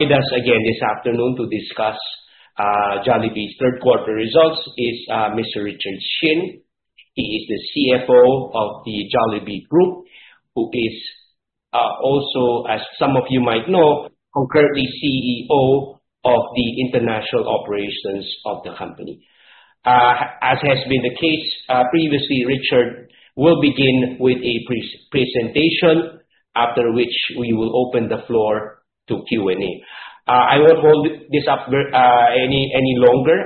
With us again this afternoon to discuss Jollibee's third quarter results is Mr. Richard Shin. He is the CFO of the Jollibee Group, who is also, as some of you might know, currently CEO of the international operations of the company. As has been the case previously, Richard will begin with a presentation, after which we will open the floor to Q&A. I won't hold this up any longer,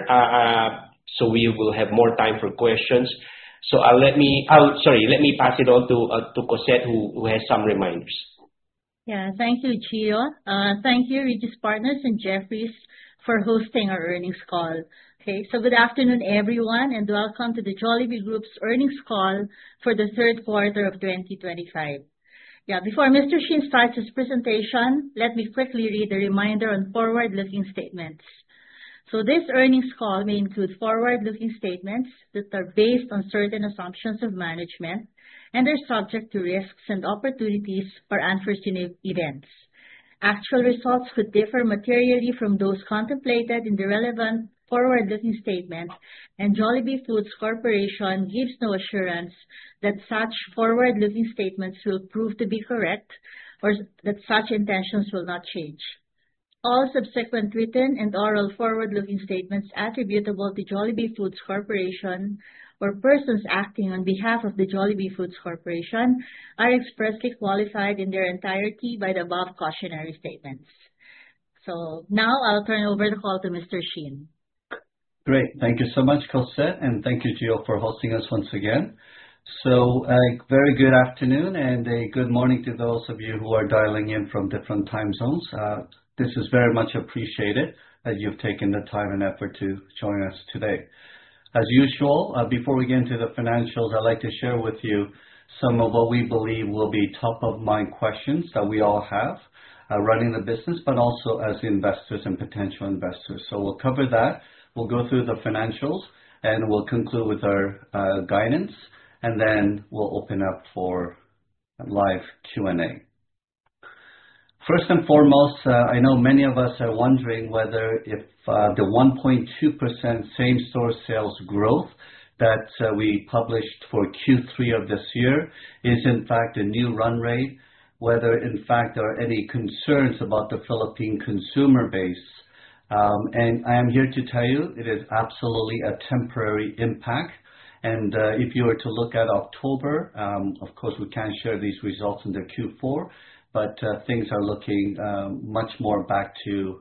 so we will have more time for questions. So let me, sorry, let me pass it on to Cosette, who has some reminders. Yeah, thank you, Gio. Thank you, Regis Partners and Jefferies, for hosting our earnings call. Okay, so good afternoon, everyone, and welcome to the Jollibee Group's earnings call for the third quarter of 2025. Yeah, before Mr. Shin starts his presentation, let me quickly read the reminder on forward-looking statements. So this earnings call may include forward-looking statements that are based on certain assumptions of management and are subject to risks and opportunities for unforeseen events. Actual results could differ materially from those contemplated in the relevant forward-looking statement, and Jollibee Foods Corporation gives no assurance that such forward-looking statements will prove to be correct or that such intentions will not change. All subsequent written and oral forward-looking statements attributable to Jollibee Foods Corporation or persons acting on behalf of the Jollibee Foods Corporation are expressly qualified in their entirety by the above cautionary statements. So now I'll turn over the call to Mr. Shin. Great. Thank you so much, Cosette, and thank you, Gio, for hosting us once again. So a very good afternoon and a good morning to those of you who are dialing in from different time zones. This is very much appreciated that you've taken the time and effort to join us today. As usual, before we get into the financials, I'd like to share with you some of what we believe will be top-of-mind questions that we all have running the business, but also as investors and potential investors. So we'll cover that. We'll go through the financials, and we'll conclude with our guidance, and then we'll open up for live Q&A. First and foremost, I know many of us are wondering whether the 1.2% same-store sales growth that we published for Q3 of this year is, in fact, a new run rate, whether, in fact, there are any concerns about the Philippine consumer base, and I am here to tell you it is absolutely a temporary impact. And if you were to look at October, of course, we can't share these results in the Q4, but things are looking much more back to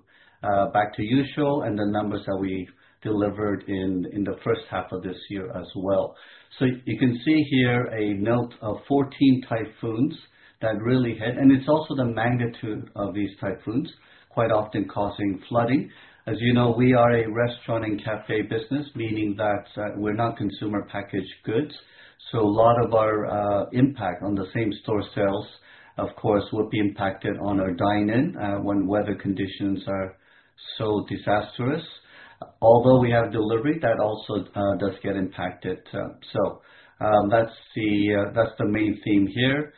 usual and the numbers that we delivered in the first half of this year as well, so you can see here a note of 14 typhoons that really hit, and it's also the magnitude of these typhoons quite often causing flooding. As you know, we are a restaurant and cafe business, meaning that we're not consumer packaged goods. So a lot of our impact on the same-store sales, of course, will be impacted on our dine-in when weather conditions are so disastrous. Although we have delivery, that also does get impacted. So that's the main theme here.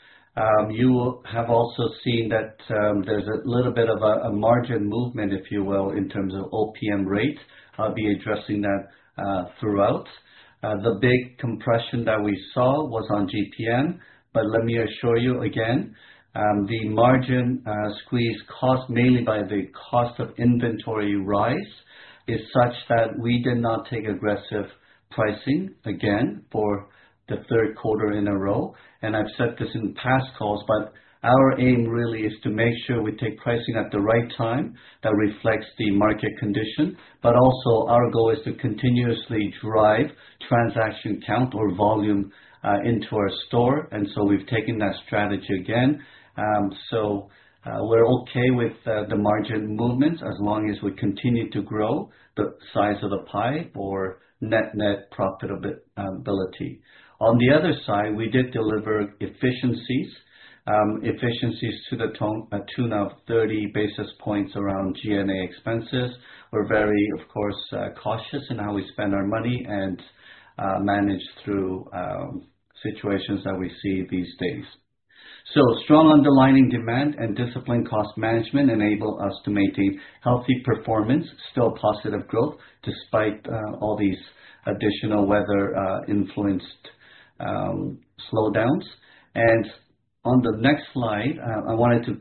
You have also seen that there's a little bit of a margin movement, if you will, in terms of OPM rate. I'll be addressing that throughout. The big compression that we saw was on GPM, but let me assure you again, the margin squeeze caused mainly by the cost of inventory rise is such that we did not take aggressive pricing again for the third quarter in a row. And I've said this in past calls, but our aim really is to make sure we take pricing at the right time that reflects the market condition. But also, our goal is to continuously drive transaction count or volume into our store. And so we've taken that strategy again. So we're okay with the margin movements as long as we continue to grow the size of the pie or net net profitability. On the other side, we did deliver efficiencies, efficiencies to the tune of 30 basis points around G&A expenses. We're very, of course, cautious in how we spend our money and manage through situations that we see these days. So strong underlying demand and disciplined cost management enable us to maintain healthy performance, still positive growth despite all these additional weather-influenced slowdowns. And on the next slide, I wanted to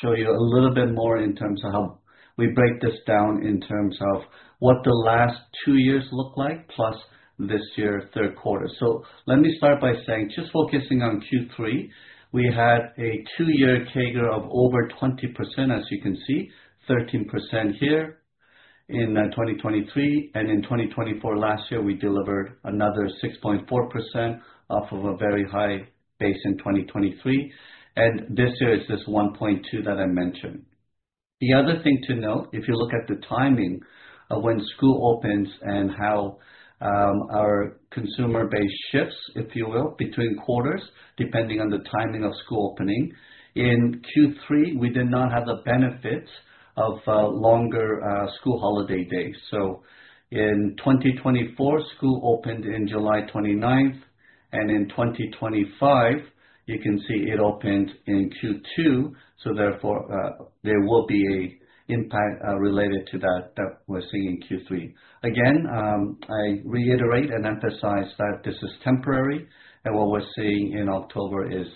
show you a little bit more in terms of how we break this down in terms of what the last two years look like, plus this year's third quarter. So let me start by saying, just focusing on Q3, we had a two-year CAGR of over 20%, as you can see, 13% here in 2023. And in 2024, last year, we delivered another 6.4% off of a very high base in 2023. And this year is this 1.2 that I mentioned. The other thing to note, if you look at the timing of when school opens and how our consumer base shifts, if you will, between quarters, depending on the timing of school opening. In Q3, we did not have the benefits of longer school holiday days. So in 2024, school opened on July 29th, and in 2025, you can see it opened in Q2. So therefore, there will be an impact related to that that we're seeing in Q3. Again, I reiterate and emphasize that this is temporary, and what we're seeing in October is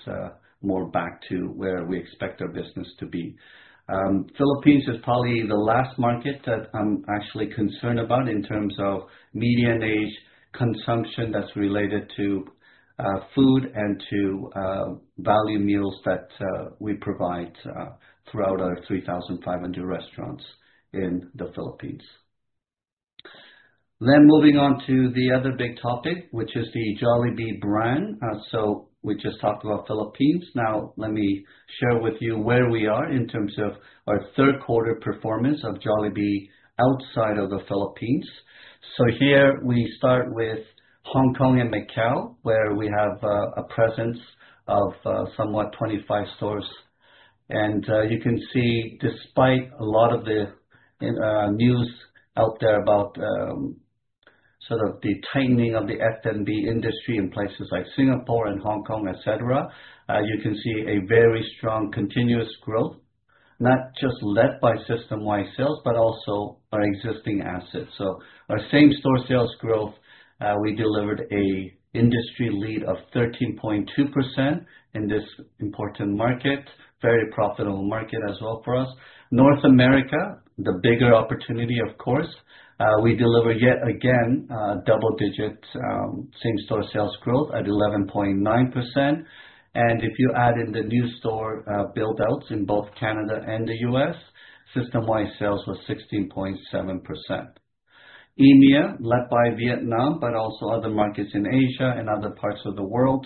more back to where we expect our business to be. Philippines is probably the last market that I'm actually concerned about in terms of median age consumption that's related to food and to value meals that we provide throughout our 3,500 restaurants in the Philippines. Then moving on to the other big topic, which is the Jollibee brand. So we just talked about Philippines. Now, let me share with you where we are in terms of our third quarter performance of Jollibee outside of the Philippines. So here we start with Hong Kong and Macau, where we have a presence of somewhat 25 stores. And you can see, despite a lot of the news out there about sort of the tightening of the F&B industry in places like Singapore and Hong Kong, etc., you can see a very strong continuous growth, not just led by system-wide sales, but also our existing assets. So our same-store sales growth, we delivered an industry lead of 13.2% in this important market, very profitable market as well for us. North America, the bigger opportunity, of course. We delivered yet again double-digit same-store sales growth at 11.9%. And if you add in the new store buildouts in both Canada and the US, system-wide sales was 16.7%. EMEA, led by Vietnam, but also other markets in Asia and other parts of the world,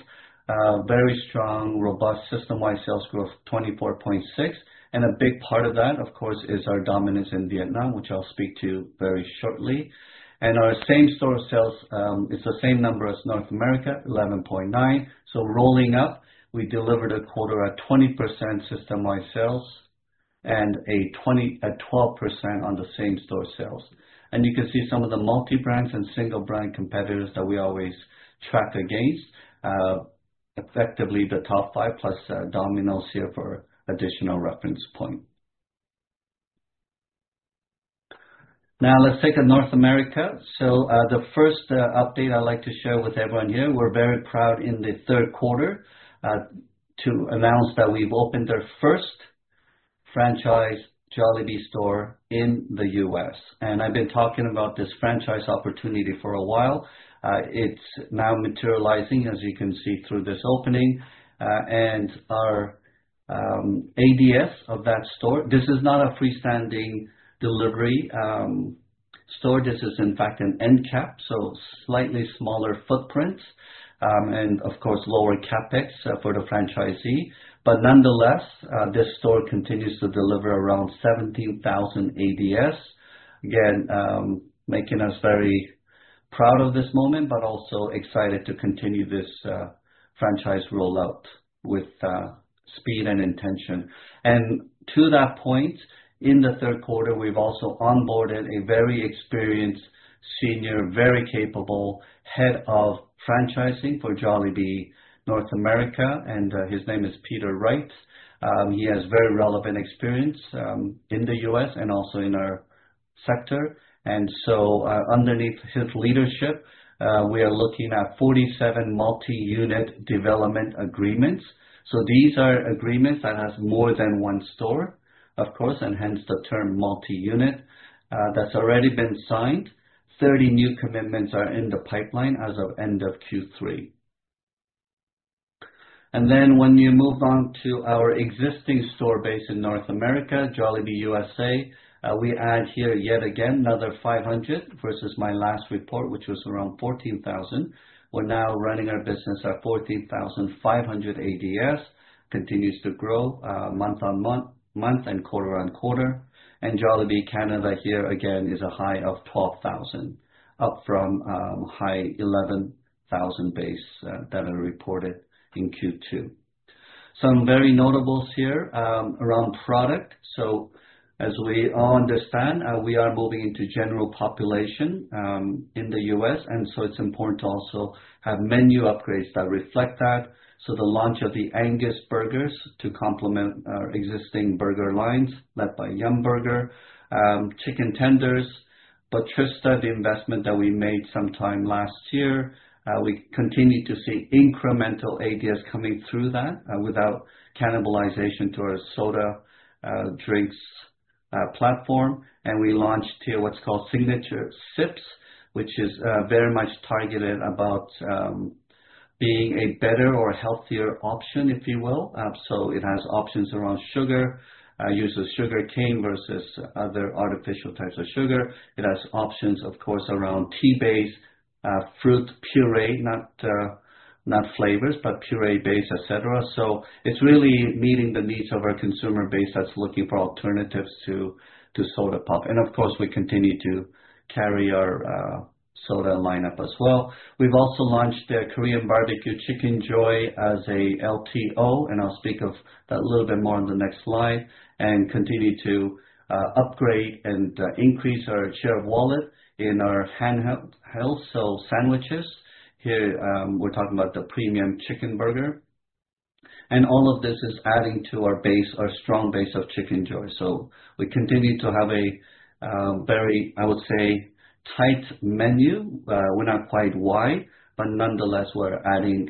very strong, robust system-wide sales growth, 24.6%. And a big part of that, of course, is our dominance in Vietnam, which I'll speak to very shortly. Our same-store sales, it's the same number as North America, 11.9%. So rolling up, we delivered a quarter at 20% system-wide sales and a 12% on the same-store sales. And you can see some of the multi-brands and single-brand competitors that we always track against, effectively the top five plus Domino's here for additional reference point. Now, let's take North America. So the first update I'd like to share with everyone here, we're very proud in the third quarter to announce that we've opened our first franchise Jollibee store in the US. And I've been talking about this franchise opportunity for a while. It's now materializing, as you can see through this opening. And our ADS of that store, this is not a freestanding delivery store. This is, in fact, an end-cap, so slightly smaller footprint and, of course, lower CapEx for the franchisee. Nonetheless, this store continues to deliver around 17,000 ADS, again, making us very proud of this moment, but also excited to continue this franchise rollout with speed and intention. To that point, in the third quarter, we have also onboarded a very experienced senior, very capable head of franchising for Jollibee North America, and his name is Peter Wright. He has very relevant experience in the U.S. and also in our sector. Underneath his leadership, we are looking at 47 multi-unit development agreements. These are agreements that have more than one store, of course, and hence the term multi-unit that's already been signed. 30 new commitments are in the pipeline as of end of Q3. When you move on to our existing store base in North America, Jollibee USA, we add here yet again another 500 versus my last report, which was around 14,000. We're now running our business at 14,500 ADS, continues to grow month on month and quarter on quarter. And Jollibee Canada here again is a high of 12,000, up from high 11,000 base that are reported in Q2. Some very notables here around product, so as we all understand, we are moving into general population in the U.S., and so it's important to also have menu upgrades that reflect that, so the launch of the Angus Burgers to complement our existing burger lines led by Yumburger, chicken tenders, Botrista, the investment that we made sometime last year. We continue to see incremental ADS coming through that without cannibalization to our soda drinks platform, and we launched here what's called Signature Sips, which is very much targeted about being a better or healthier option, if you will. It has options around sugar, uses sugar cane versus other artificial types of sugar. It has options, of course, around tea-based fruit puree, not flavors, but puree-based, etc. So it's really meeting the needs of our consumer base that's looking for alternatives to soda pop. And of course, we continue to carry our soda lineup as well. We've also launched the Korean Barbecue Chickenjoy as an LTO, and I'll speak of that a little bit more on the next slide, and continue to upgrade and increase our share of wallet in our handheld sandwiches. Here we're talking about the Premium Chicken Burger. And all of this is adding to our base, our strong base of Chickenjoy. So we continue to have a very, I would say, tight menu. We're not quite wide, but nonetheless, we're adding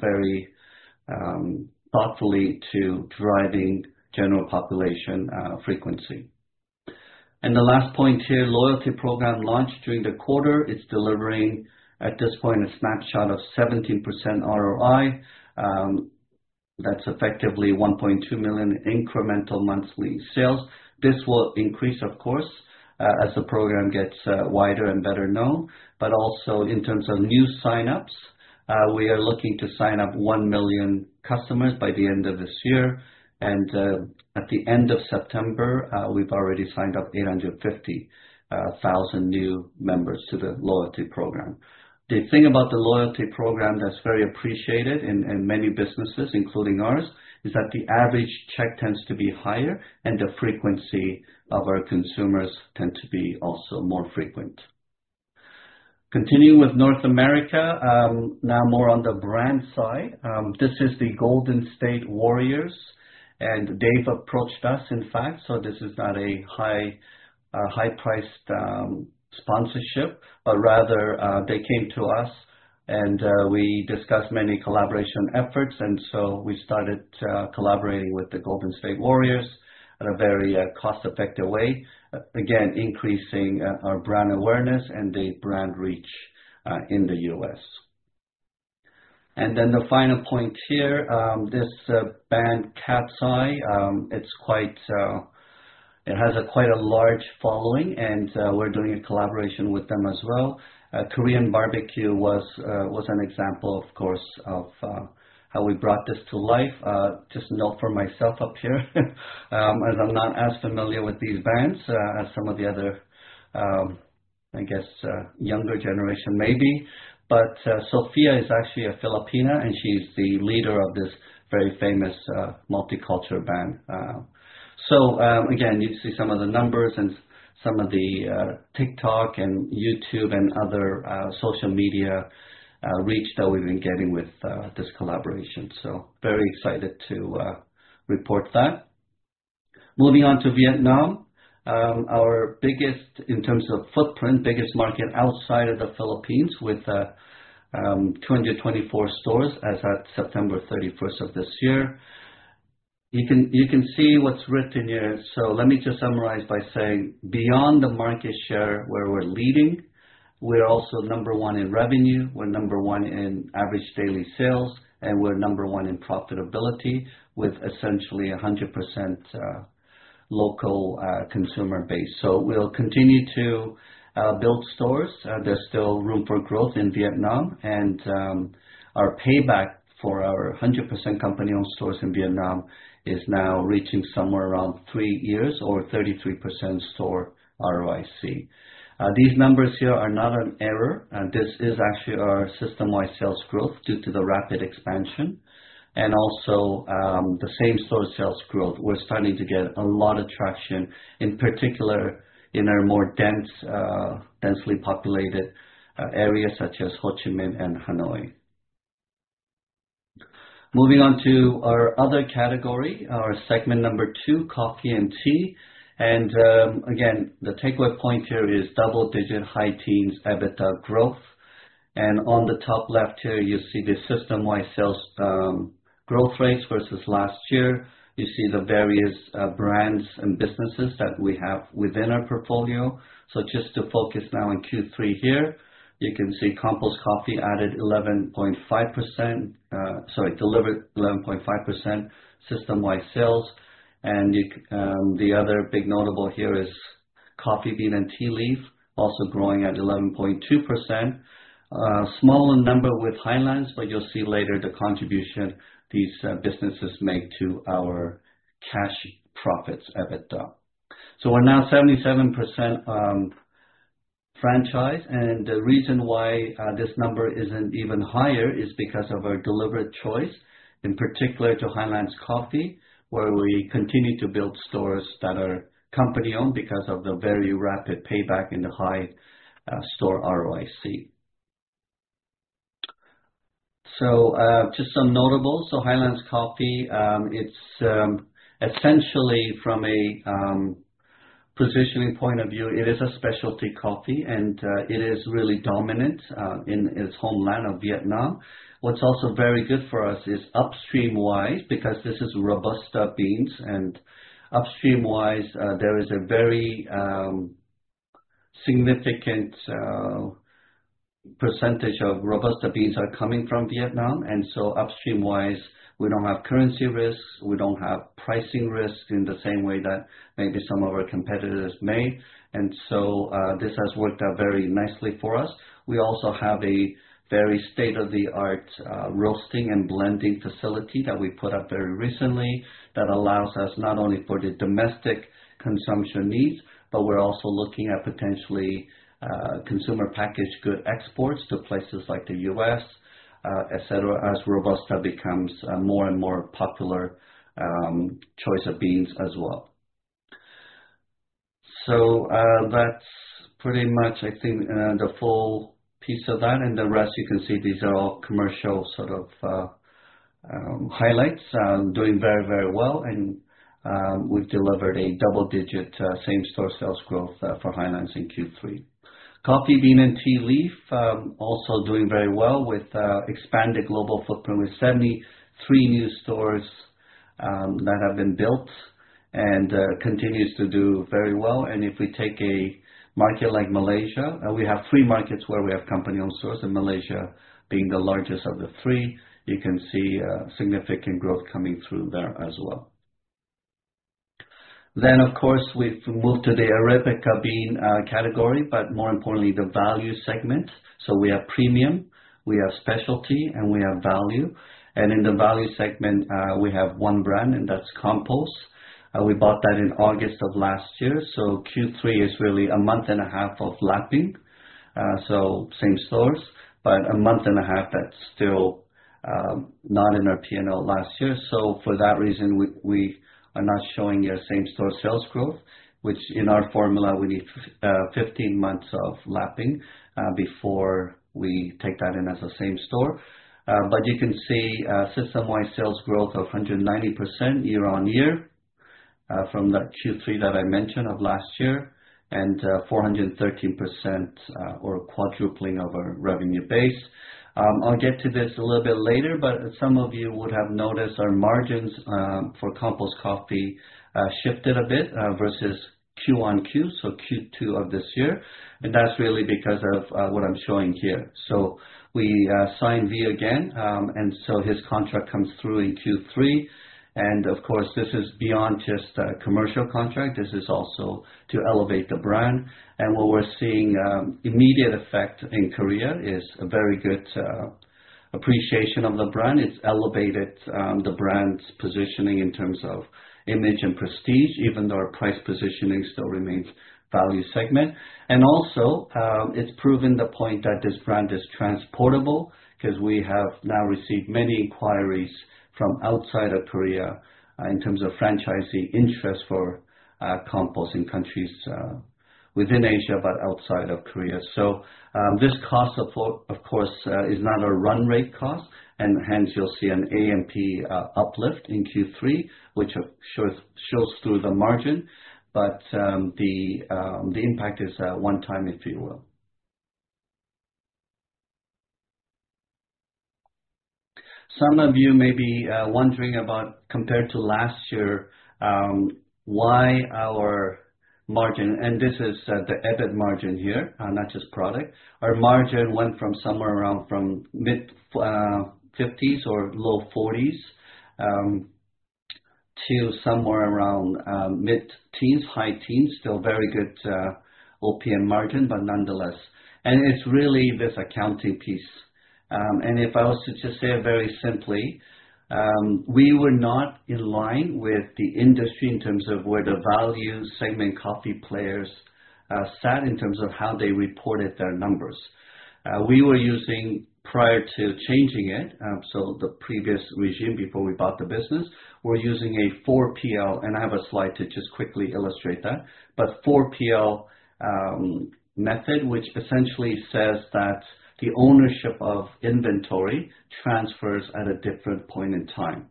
very thoughtfully to driving general population frequency. And the last point here, loyalty program launched during the quarter. It's delivering at this point a snapshot of 17% ROI. That's effectively 1.2 million incremental monthly sales. This will increase, of course, as the program gets wider and better known. But also in terms of new signups, we are looking to sign up one million customers by the end of this year. And at the end of September, we've already signed up 850,000 new members to the loyalty program. The thing about the loyalty program that's very appreciated in many businesses, including ours, is that the average check tends to be higher, and the frequency of our consumers tends to be also more frequent. Continuing with North America, now more on the brand side, this is the Golden State Warriors, and they've approached us, in fact. So this is not a high-priced sponsorship, but rather they came to us, and we discussed many collaboration efforts. And so we started collaborating with the Golden State Warriors in a very cost-effective way, again, increasing our brand awareness and the brand reach in the U.S. And then the final point here, this band KATSEYE, it has quite a large following, and we're doing a collaboration with them as well. Korean barbecue was an example, of course, of how we brought this to life. Just note for myself up here, as I'm not as familiar with these bands as some of the other, I guess, younger generation maybe. But Sophia is actually a Filipina, and she's the leader of this very famous multicultural band. So again, you see some of the numbers and some of the TikTok and YouTube and other social media reach that we've been getting with this collaboration. So very excited to report that. Moving on to Vietnam, our biggest in terms of footprint, biggest market outside of the Philippines with 224 stores as of September 31st of this year. You can see what's written here. So let me just summarize by saying, beyond the market share where we're leading, we're also number one in revenue. We're number one in average daily sales, and we're number one in profitability with essentially 100% local consumer base. So we'll continue to build stores. There's still room for growth in Vietnam, and our payback for our 100% company-owned stores in Vietnam is now reaching somewhere around three years or 33% store ROIC. These numbers here are not an error. This is actually our system-wide sales growth due to the rapid expansion and also the same-store sales growth. We're starting to get a lot of traction, in particular in our more densely populated areas such as Ho Chi Minh and Hanoi. Moving on to our other category, our segment number two, coffee and tea, and again, the takeaway point here is double-digit high teens EBITDA growth, and on the top left here, you see the system-wide sales growth rates versus last year. You see the various brands and businesses that we have within our portfolio. So just to focus now in Q3 here, you can see Compose Coffee added 11.5%, sorry, delivered 11.5% system-wide sales, and the other big notable here is Coffee Bean and Tea Leaf, also growing at 11.2%. Smaller number with Highlands, but you'll see later the contribution these businesses make to our cash profits EBITDA. So we're now 77% franchise. And the reason why this number isn't even higher is because of our deliberate choice, in particular to Highlands Coffee, where we continue to build stores that are company-owned because of the very rapid payback and the high store ROIC. So just some notable. So Highlands Coffee, it's essentially from a positioning point of view, it is a specialty coffee, and it is really dominant in its homeland of Vietnam. What's also very good for us is upstream-wise because this is Robusta beans. And upstream-wise, there is a very significant percentage of Robusta beans that are coming from Vietnam. And so upstream-wise, we don't have currency risks. We don't have pricing risks in the same way that maybe some of our competitors may. And so this has worked out very nicely for us. We also have a very state-of-the-art roasting and blending facility that we put up very recently that allows us not only for the domestic consumption needs, but we're also looking at potentially consumer packaged goods exports to places like the U.S., etc., as Robusta becomes a more and more popular choice of beans as well. So that's pretty much, I think, the full piece of that. And the rest, you can see these are all commercial sort of highlights, doing very, very well. And we've delivered a double-digit same-store sales growth for Highlands in Q3. Coffee Bean and Tea Leaf, also doing very well with expanded global footprint with 73 new stores that have been built and continues to do very well. And if we take a market like Malaysia, we have three markets where we have company-owned stores, and Malaysia being the largest of the three, you can see significant growth coming through there as well. Then, of course, we've moved to the Arabica Bean category, but more importantly, the value segment. So we have premium, we have specialty, and we have value. And in the value segment, we have one brand, and that's Compose. We bought that in August of last year. So Q3 is really a month and a half of lapping. So same stores, but a month and a half that's still not in our P&L last year. So for that reason, we are not showing you same-store sales growth, which in our formula, we need 15 months of lapping before we take that in as a same store. But you can see system-wide sales growth of 190% year-on-year from that Q3 that I mentioned of last year and 413% or quadrupling of our revenue base. I'll get to this a little bit later, but some of you would have noticed our margins for Compose Coffee shifted a bit versus Q1 to Q2 of this year. That's really because of what I'm showing here. We signed V again, and so his contract comes through in Q3. Of course, this is beyond just a commercial contract. This is also to elevate the brand. What we're seeing immediate effect in Korea is a very good appreciation of the brand. It's elevated the brand's positioning in terms of image and prestige, even though our price positioning still remains value segment. And also, it's proven the point that this brand is transportable because we have now received many inquiries from outside of Korea in terms of franchising interest for Compose in countries within Asia, but outside of Korea. So this cost, of course, is not a run rate cost. And hence, you'll see an AUV uplift in Q3, which shows through the margin, but the impact is one-time, if you will. Some of you may be wondering about compared to last year, why our margin? And this is the EBIT margin here, not just product. Our margin went from somewhere around mid-50s or low-40s to somewhere around mid-teens, high teens, still very good OPM margin, but nonetheless. And it's really this accounting piece. And if I was to just say it very simply, we were not in line with the industry in terms of where the value segment coffee players sat in terms of how they reported their numbers. We were using, prior to changing it, so the previous regime before we bought the business, we're using a 4PL. And I have a slide to just quickly illustrate that. But 4PL method, which essentially says that the ownership of inventory transfers at a different point in time.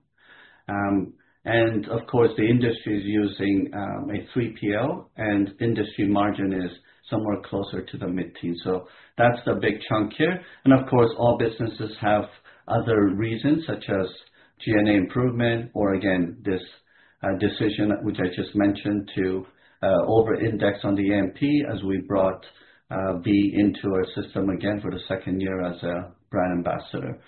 And of course, the industry is using a 3PL, and industry margin is somewhere closer to the mid-teens. So that's the big chunk here. And of course, all businesses have other reasons, such as G&A improvement or, again, this decision, which I just mentioned, to over-index on the A&P as we brought V into our system again for the second year as a brand ambassador.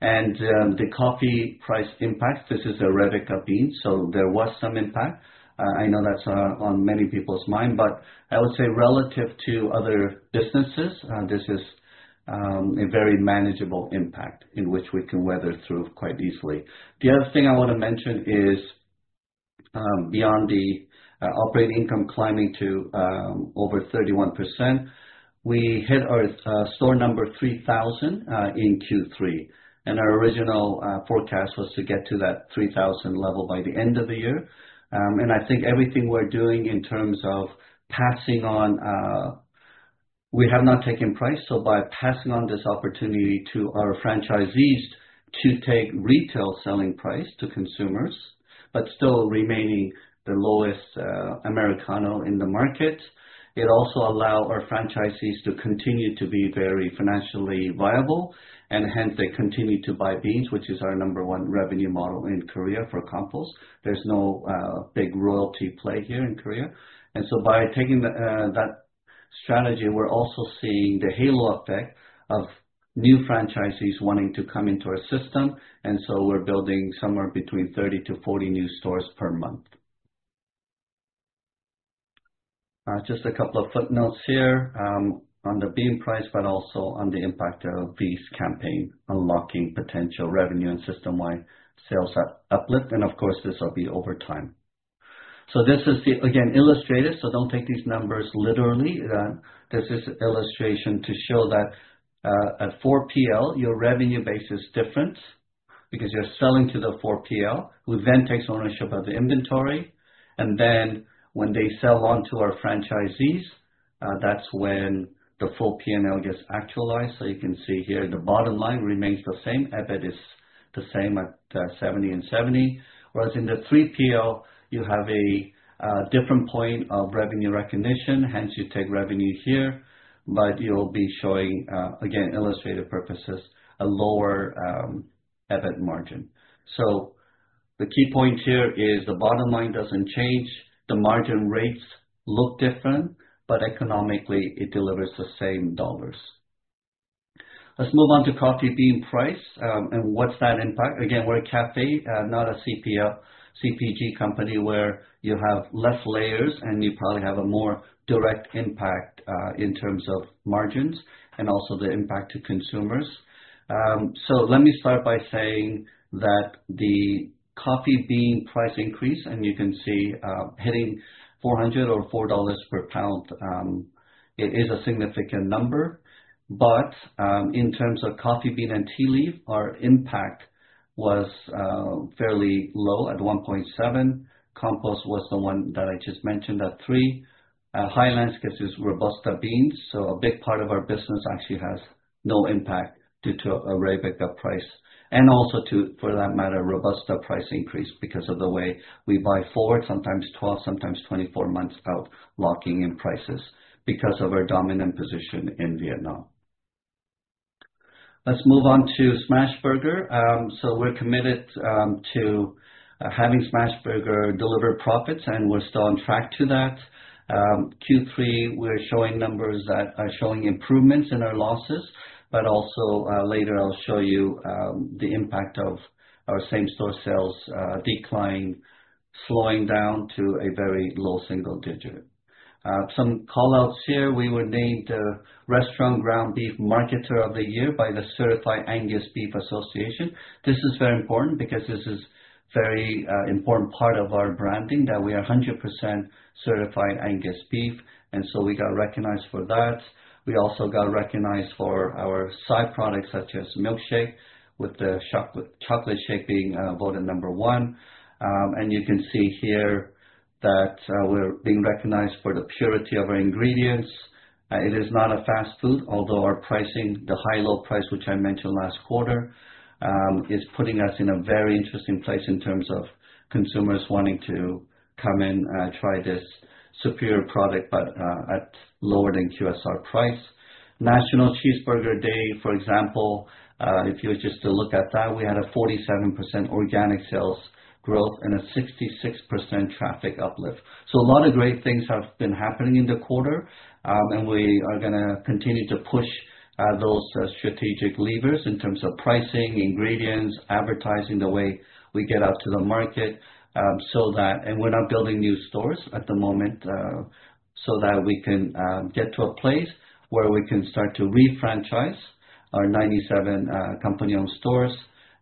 And the coffee price impact, this is Arabica beans. So there was some impact. I know that's on many people's mind, but I would say relative to other businesses, this is a very manageable impact in which we can weather through quite easily. The other thing I want to mention is beyond the operating income climbing to over 31%, we hit our store number 3,000 in Q3. Our original forecast was to get to that 3,000 level by the end of the year. I think everything we're doing in terms of passing on. We have not taken price. So by passing on this opportunity to our franchisees to take retail selling price to consumers, but still remaining the lowest Americano in the market, it also allows our franchisees to continue to be very financially viable. Hence, they continue to buy beans, which is our number one revenue model in Korea for Compose. There's no big royalty play here in Korea. And so by taking that strategy, we're also seeing the halo effect of new franchisees wanting to come into our system. And so we're building somewhere between 30 to 40 new stores per month. Just a couple of footnotes here on the bean price, but also on the impact of V's campaign unlocking potential revenue and system-wide sales uplift. And of course, this will be over time. So this is the, again, illustrative. So don't take these numbers literally. This is an illustration to show that at 4PL, your revenue base is different because you're selling to the 4PL, who then takes ownership of the inventory. And then when they sell on to our franchisees, that's when the full P&L gets actualized. So you can see here the bottom line remains the same. EBIT is the same at 70 and 70. Whereas in the 3PL, you have a different point of revenue recognition. Hence, you take revenue here, but you'll be showing, again, illustrative purposes, a lower EBIT margin. So the key point here is the bottom line doesn't change. The margin rates look different, but economically, it delivers the same dollars. Let's move on to coffee bean price and what's that impact. Again, we're a café, not a CPG company where you have less layers, and you probably have a more direct impact in terms of margins and also the impact to consumers. So let me start by saying that the coffee bean price increase, and you can see hitting 400 or $4 per pound, it is a significant number. But in terms of Coffee Bean and Tea Leaf, our impact was fairly low at 1.7%. Compose was the one that I just mentioned at 3%. Highlands gives us Robusta beans. So a big part of our business actually has no impact due to Arabica price. And also for that matter, Robusta price increase because of the way we buy forward, sometimes 12, sometimes 24 months out locking in prices because of our dominant position in Vietnam. Let's move on to Smashburger. So we're committed to having Smashburger deliver profits, and we're still on track to that. Q3, we're showing numbers that are showing improvements in our losses, but also later I'll show you the impact of our same-store sales decline, slowing down to a very low single digit. Some callouts here. We were named the Restaurant Ground Beef Marketer of the Year by the Certified Angus Beef Association. This is very important because this is a very important part of our branding that we are 100% Certified Angus Beef, and so we got recognized for that. We also got recognized for our side products such as milkshake, with the chocolate shake being voted number one, and you can see here that we're being recognized for the purity of our ingredients. It is not a fast food, although our pricing, the high-low price, which I mentioned last quarter, is putting us in a very interesting place in terms of consumers wanting to come in and try this superior product, but at lower than QSR price. National Cheeseburger Day, for example, if you would just look at that, we had a 47% organic sales growth and a 66% traffic uplift. So, a lot of great things have been happening in the quarter, and we are going to continue to push those strategic levers in terms of pricing, ingredients, advertising, the way we get out to the market so that, and we're not building new stores at the moment, so that we can get to a place where we can start to refranchise our 97 company-owned stores.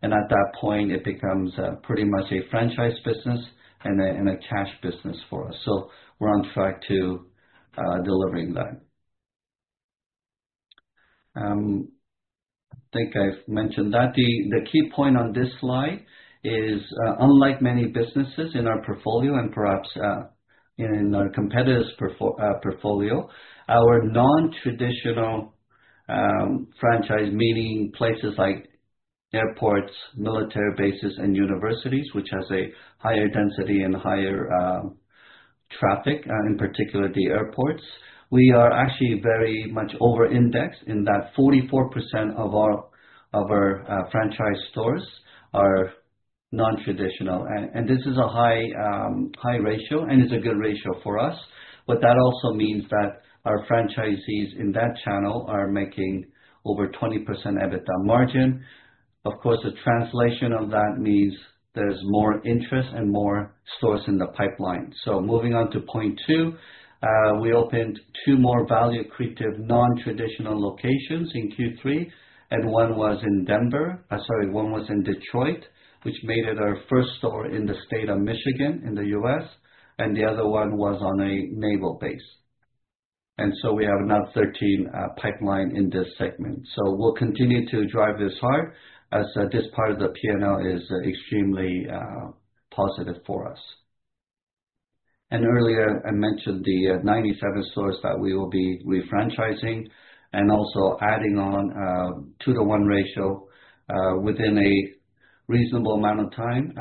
And at that point, it becomes pretty much a franchise business and a cash business for us. So, we're on track to delivering that. I think I've mentioned that. The key point on this slide is, unlike many businesses in our portfolio and perhaps in our competitors' portfolio, our non-traditional franchise meaning places like airports, military bases, and universities, which has a higher density and higher traffic, in particular the airports, we are actually very much over-indexed in that 44% of our franchise stores are non-traditional. And this is a high ratio and is a good ratio for us. But that also means that our franchisees in that channel are making over 20% EBITDA margin. Of course, the translation of that means there's more interest and more stores in the pipeline. So moving on to point two, we opened two more value-creative non-traditional locations in Q3. And one was in Denver. Sorry, one was in Detroit, which made it our first store in the state of Michigan in the US. And the other one was on a naval base. We have now 13 pipelines in this segment. So we'll continue to drive this hard as this part of the P&L is extremely positive for us. Earlier, I mentioned the 97 stores that we will be refranchising and also adding on to the one ratio within a reasonable amount of time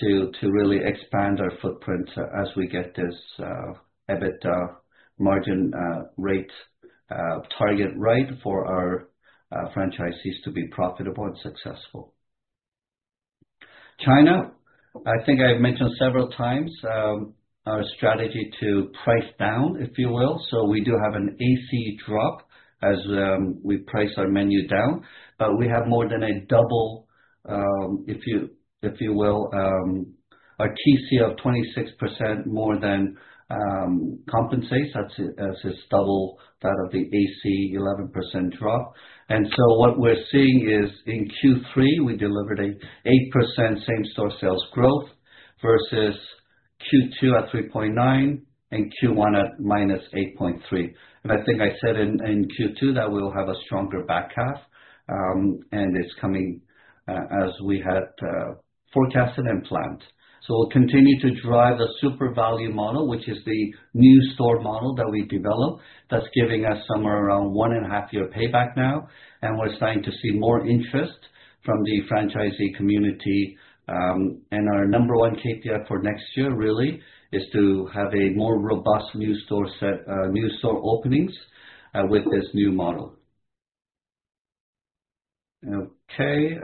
to really expand our footprint as we get this EBITDA margin rate target right for our franchisees to be profitable and successful. China, I think I've mentioned several times our strategy to price down, if you will. So we do have an AC drop as we price our menu down, but we have more than a double, if you will, our TC of 26% more than Compose. That's just double that of the AC, 11% drop. And so what we're seeing is in Q3, we delivered an 8% same-store sales growth versus Q2 at 3.9% and Q1 at -8.3%. And I think I said in Q2 that we'll have a stronger back half, and it's coming as we had forecasted and planned. So we'll continue to drive the super value model, which is the new store model that we developed that's giving us somewhere around one and a half year payback now. And we're starting to see more interest from the franchisee community. And our number one KPI for next year really is to have a more robust new store openings with this new model. Okay.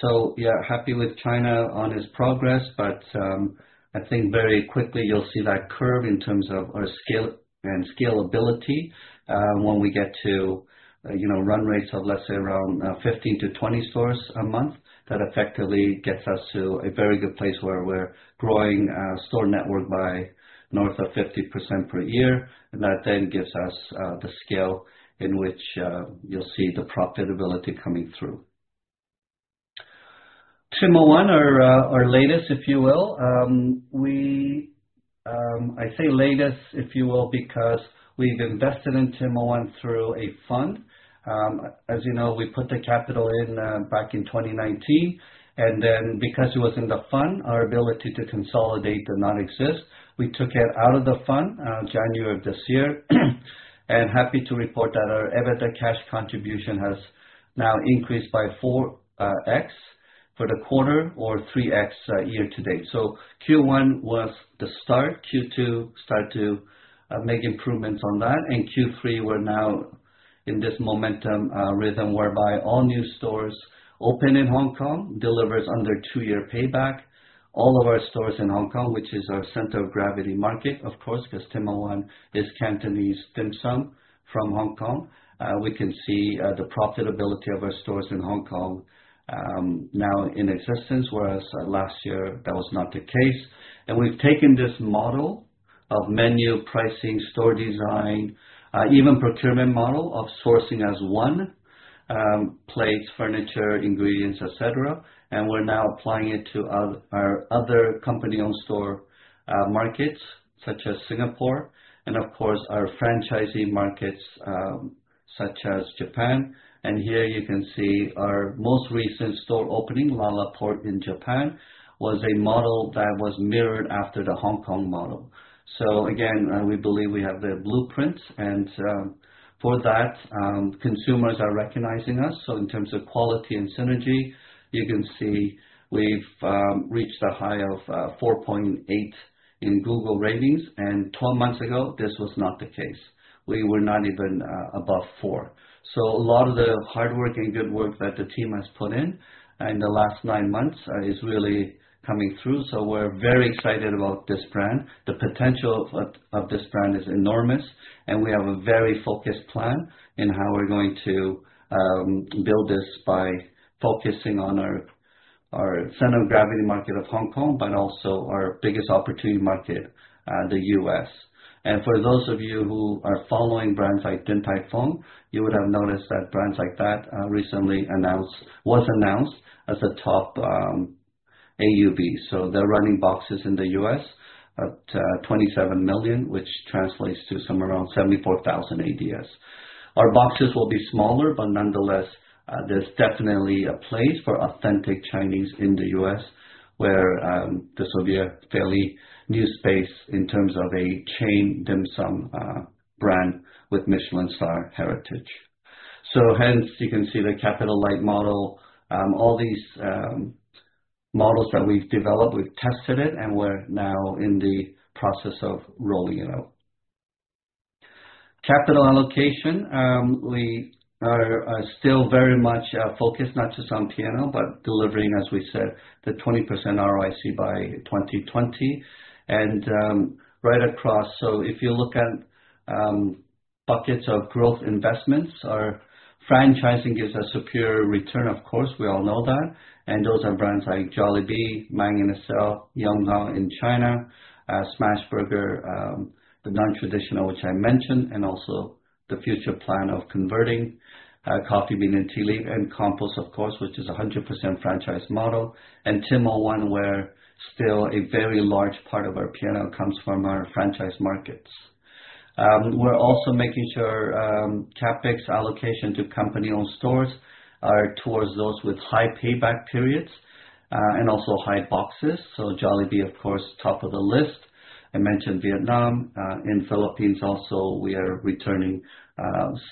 So yeah, happy with China on its progress, but I think very quickly you'll see that curve in terms of our scale and scalability when we get to run rates of, let's say, around 15-20 stores a month. That effectively gets us to a very good place where we're growing store network by north of 50% per year. And that then gives us the scale in which you'll see the profitability coming through. Tim Ho Wan, our latest, if you will. I say latest, if you will, because we've invested in Tim Ho Wan through a fund. As you know, we put the capital in back in 2019. And then because it was in the fund, our ability to consolidate did not exist. We took it out of the fund January of this year. Happy to report that our EBITDA cash contribution has now increased by 4x for the quarter or 3x year to date. Q1 was the start. Q2 started to make improvements on that. Q3, we're now in this momentum rhythm whereby all new stores open in Hong Kong delivers under two-year payback. All of our stores in Hong Kong, which is our center of gravity market, of course, because Tim Ho Wan is Cantonese dim sum from Hong Kong. We can see the profitability of our stores in Hong Kong now in existence, whereas last year that was not the case. We've taken this model of menu pricing, store design, even procurement model of sourcing as one: plates, furniture, ingredients, etc. We're now applying it to our other company-owned store markets such as Singapore and, of course, our franchisee markets such as Japan. Here you can see our most recent store opening, LaLaport in Japan, was a model that was mirrored after the Hong Kong model. So again, we believe we have the blueprint. And for that, consumers are recognizing us. So in terms of quality and synergy, you can see we've reached a high of 4.8 in Google ratings. And 12 months ago, this was not the case. We were not even above four. So a lot of the hard work and good work that the team has put in in the last nine months is really coming through. So we're very excited about this brand. The potential of this brand is enormous. And we have a very focused plan in how we're going to build this by focusing on our center of gravity market of Hong Kong, but also our biggest opportunity market, the US. For those of you who are following brands like Din Tai Fung, you would have noticed that brands like that recently was announced as a top AUV. So they're running boxes in the U.S. at $27 million, which translates to somewhere around $74,000 ADS. Our boxes will be smaller, but nonetheless, there's definitely a place for authentic Chinese in the U.S. where this will be a fairly new space in terms of a chain dim sum brand with Michelin star heritage. So hence, you can see the capital light model, all these models that we've developed, we've tested it, and we're now in the process of rolling it out. Capital allocation, we are still very much focused not just on P&L, but delivering, as we said, the 20% ROIC by 2020. And right across, so if you look at buckets of growth investments, our franchising gives us superior return, of course. We all know that. And those are brands like Jollibee, Mang Inasal, Yonghe King in China, Smashburger, the non-traditional, which I mentioned, and also the future plan of converting Coffee Bean and Tea Leaf and Compose Coffee, of course, which is a 100% franchise model. And Tim Ho Wan, where still a very large part of our P&L comes from our franchise markets. We're also making sure CapEx allocation to company-owned stores are towards those with high payback periods and also high AUVs. So Jollibee, of course, top of the list. I mentioned Vietnam. In the Philippines also, we are returning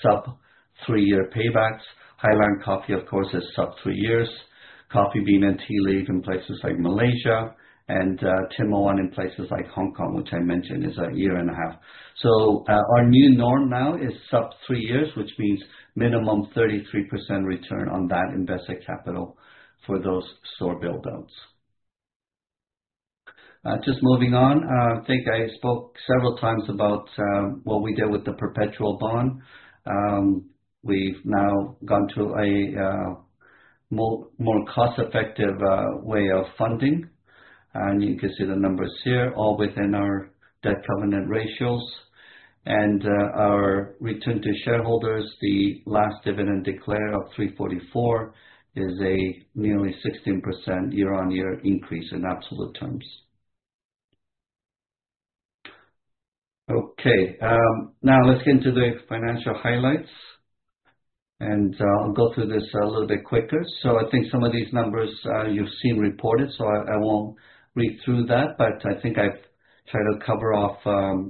sub-three-year paybacks. Highlands Coffee, of course, is sub-three years. Coffee Bean and Tea Leaf in places like Malaysia and Tim Ho Wan in places like Hong Kong, which I mentioned is a year and a half. So our new norm now is sub-three years, which means minimum 33% return on that invested capital for those store buildouts. Just moving on, I think I spoke several times about what we did with the perpetual bond. We've now gone to a more cost-effective way of funding. And you can see the numbers here, all within our debt covenant ratios. And our return to shareholders, the last dividend declared of 344 is a nearly 16% year-on-year increase in absolute terms. Okay. Now let's get into the financial highlights. And I'll go through this a little bit quicker. So I think some of these numbers you've seen reported, so I won't read through that, but I think I've tried to cover off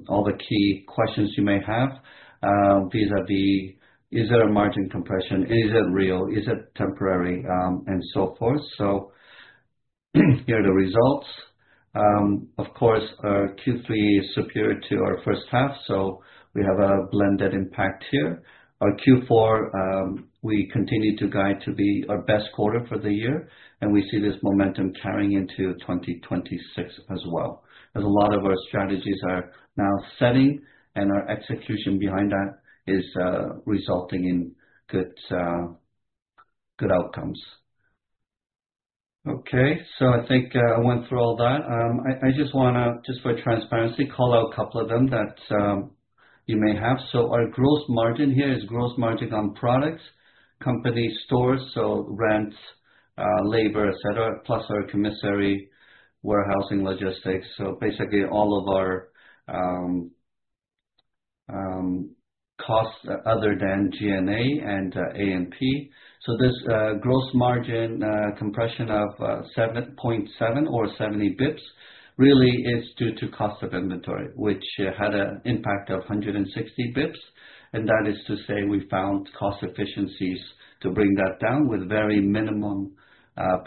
all the key questions you may have vis-à-vis is there a margin compression? Is it real? Is it temporary? And so forth. So here are the results. Of course, Q3 is superior to our first half, so we have a blended impact here. Our Q4, we continue to guide to be our best quarter for the year, and we see this momentum carrying into 2026 as well. As a lot of our strategies are now setting, and our execution behind that is resulting in good outcomes. Okay. So I think I went through all that. I just want to, just for transparency, call out a couple of them that you may have. Our gross margin here is gross margin on products, company stores, so rent, labor, etc., plus our commissary warehousing logistics. Basically all of our costs other than G&A and A&P. This gross margin compression of 7.7 or 70 basis points really is due to cost of inventory, which had an impact of 160 basis points. That is to say we found cost efficiencies to bring that down with very minimum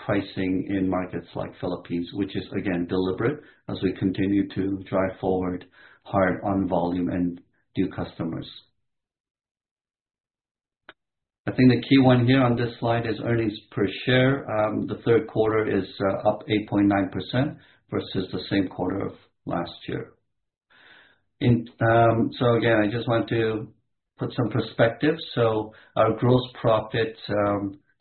pricing in markets like Philippines, which is, again, deliberate as we continue to drive forward hard on volume and new customers. I think the key one here on this slide is earnings per share. The third quarter is up 8.9% versus the same quarter of last year. Again, I just want to put some perspective. Our gross profit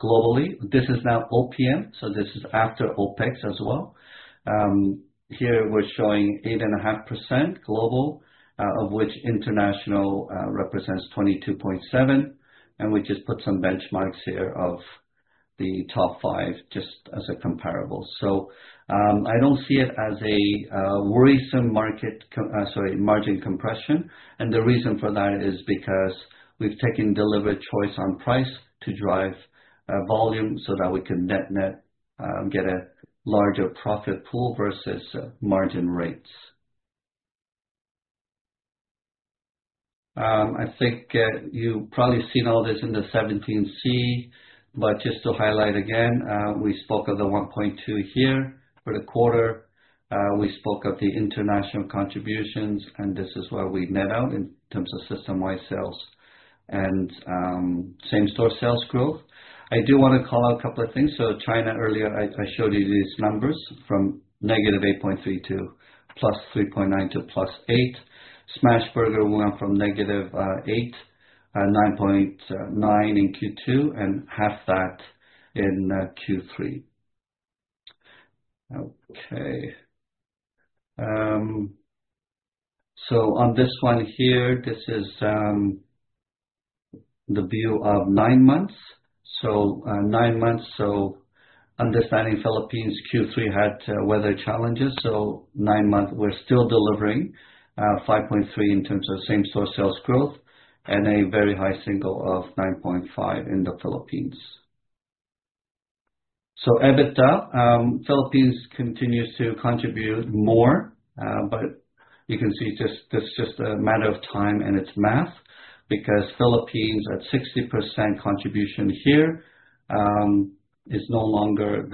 globally, this is now OPM. This is after OpEx as well. Here we're showing 8.5% global, of which international represents 22.7%. We just put some benchmarks here of the top five just as a comparable. I don't see it as a worrisome market, sorry, margin compression. The reason for that is because we've taken deliberate choice on price to drive volume so that we can net-net get a larger profit pool versus margin rates. I think you've probably seen all this in the 17-C, but just to highlight again, we spoke of the 1.2% here for the quarter. We spoke of the international contributions, and this is where we net out in terms of system-wide sales and same-store sales growth. I do want to call out a couple of things. China earlier, I showed you these numbers from -8.3% to +3.9% to +8%. Smashburger went from negative 8.9% in Q2, and half that in Q3. Okay, so on this one here, this is the view of nine months. So nine months, so understanding Philippines Q3 had weather challenges. So nine months, we're still delivering 5.3% in terms of same-store sales growth and a very high single of 9.5% in the Philippines. So EBITDA, Philippines continues to contribute more, but you can see this is just a matter of time and it's math because Philippines at 60% contribution here is no longer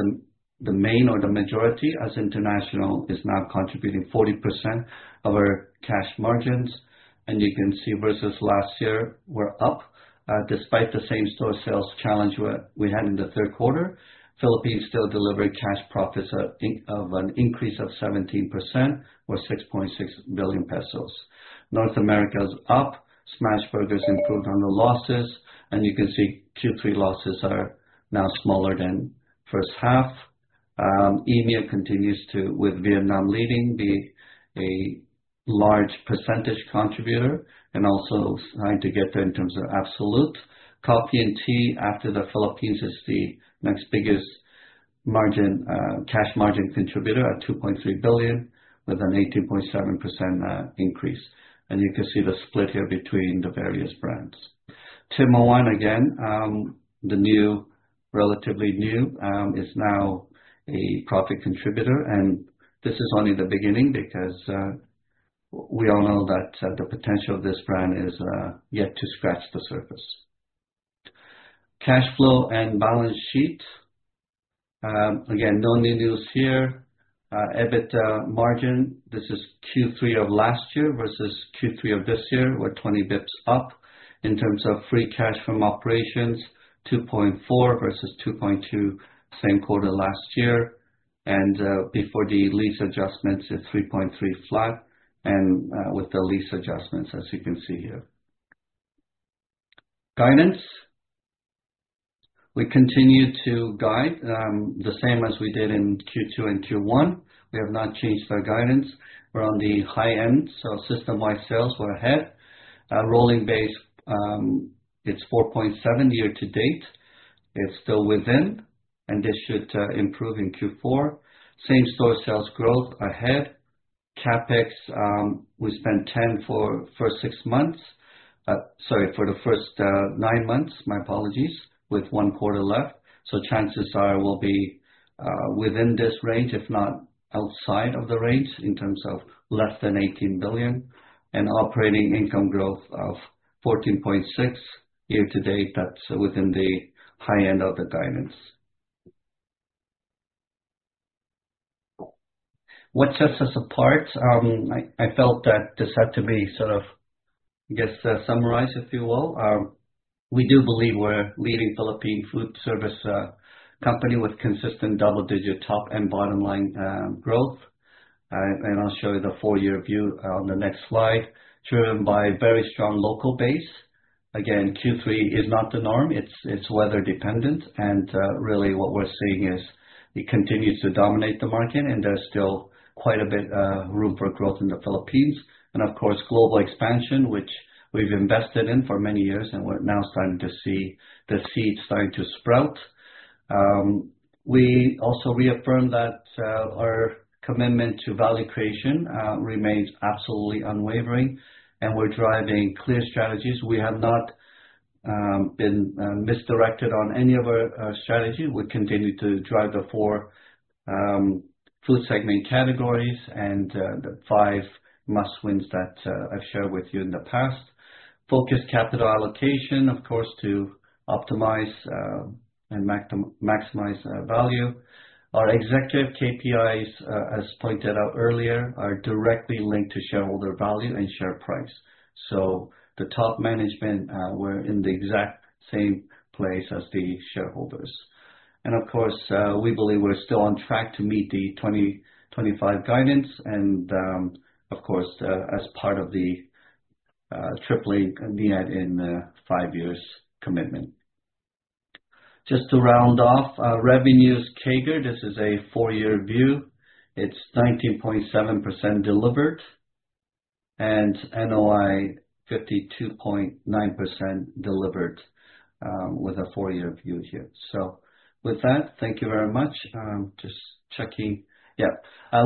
the main or the majority as international is now contributing 40% of our cash margins. And you can see versus last year, we're up despite the same-store sales challenge we had in the third quarter. Philippines still delivered cash profits of an increase of 17% or 6.6 billion pesos. North America is up. Smashburger's improved on the losses. And you can see Q3 losses are now smaller than first half. EMEA continues to, with Vietnam leading, be a large percentage contributor and also trying to get there in terms of absolute. Coffee and tea after the Philippines is the next biggest cash margin contributor at 2.3 billion with an 18.7% increase. And you can see the split here between the various brands. Tim Ho Wan, again, the relatively new, is now a profit contributor. And this is only the beginning because we all know that the potential of this brand is yet to scratch the surface. Cash flow and balance sheet. Again, no new news here. EBITDA margin, this is Q3 of last year versus Q3 of this year. We're 20 basis points up in terms of free cash from operations, 2.4 versus 2.2 same quarter last year. Before the lease adjustments, it's 3.3% flat and with the lease adjustments, as you can see here. Guidance. We continue to guide the same as we did in Q2 and Q1. We have not changed our guidance. We're on the high end. System-wide sales, we're ahead. Rolling base, it's 4.7% year to date. It's still within, and this should improve in Q4. Same-store sales growth ahead. CapEx, we spent 10 billion for the first six months, sorry, for the first nine months, my apologies, with one quarter left. Chances are we'll be within this range, if not outside of the range in terms of less than 18 billion. Operating income growth of 14.6% year to date, that's within the high end of the guidance. What sets us apart? I felt that this had to be sort of, I guess, summarized, if you will. We do believe we're leading Philippine food service company with consistent double-digit top and bottom line growth, and I'll show you the four-year view on the next slide, driven by a very strong local base. Again, Q3 is not the norm. It's weather-dependent, and really what we're seeing is it continues to dominate the market, and there's still quite a bit of room for growth in the Philippines, and of course, global expansion, which we've invested in for many years, and we're now starting to see the seeds starting to sprout. We also reaffirm that our commitment to value creation remains absolutely unwavering, and we're driving clear strategies. We have not been misdirected on any of our strategies. We continue to drive the four food segment categories and the five must-wins that I've shared with you in the past. Focus capital allocation, of course, to optimize and maximize value. Our executive KPIs, as pointed out earlier, are directly linked to shareholder value and share price. So the top management, we're in the exact same place as the shareholders. And of course, we believe we're still on track to meet the 2025 guidance, and of course, as part of the tripling EBITDA in five years commitment. Just to round off, revenues CAGR, this is a four-year view. It's 19.7% delivered and NOI 52.9% delivered with a four-year view here. So with that, thank you very much. Just checking. Yeah.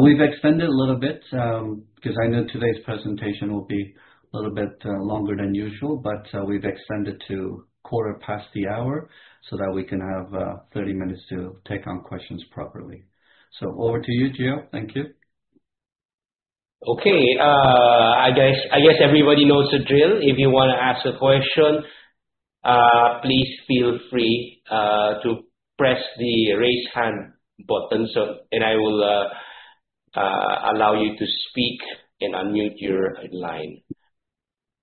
We've extended a little bit because I knew today's presentation will be a little bit longer than usual, but we've extended to quarter past the hour so that we can have 30 minutes to take on questions properly. So over to you, Gio. Thank you. Okay. I guess everybody knows the drill. If you want to ask a question, please feel free to press the raise hand button, and I will allow you to speak and unmute your line.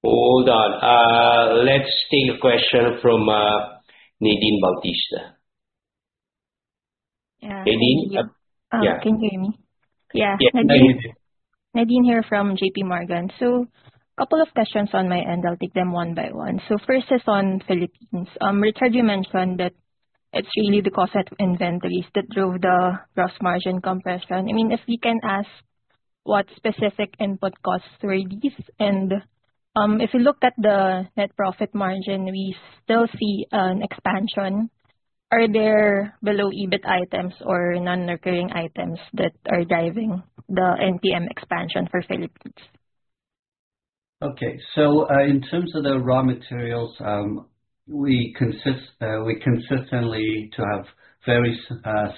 Hold on. Let's take a question from Nadine Bautista. Yeah. Nadine? Yeah. Can you hear me? Yeah. Nadine here from JPMorgan. So a couple of questions on my end. I'll take them one by one. So first is on Philippines. Richard, you mentioned that it's really the cost of inventories that drove the gross margin compression. I mean, if we can ask what specific input costs were these, and if you looked at the net profit margin, we still see an expansion. Are there below EBIT items or non-recurring items that are driving the NPM expansion for Philippines? Okay. So in terms of the raw materials, we consistently have very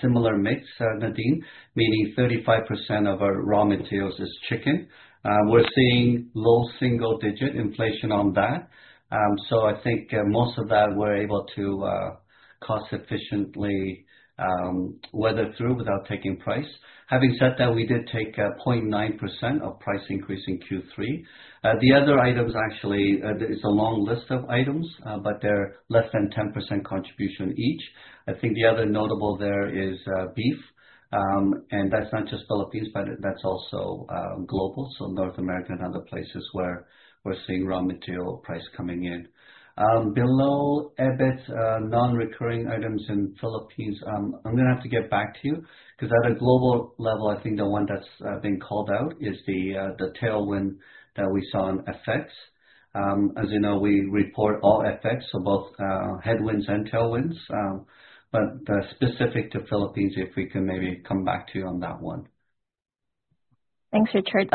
similar mix, Nadine, meaning 35% of our raw materials is chicken. We're seeing low single-digit inflation on that. So I think most of that we're able to cost-efficiently weather through without taking price. Having said that, we did take a 0.9% price increase in Q3. The other items actually is a long list of items, but they're less than 10% contribution each. I think the other notable there is beef. And that's not just Philippines, but that's also global. So North America and other places where we're seeing raw material price coming in. Below EBIT, non-recurring items in Philippines, I'm going to have to get back to you because at a global level, I think the one that's being called out is the tailwind that we saw in FX. As you know, we report all FX, so both headwinds and tailwinds. But specific to Philippines, if we can maybe come back to you on that one. Thanks, Richard.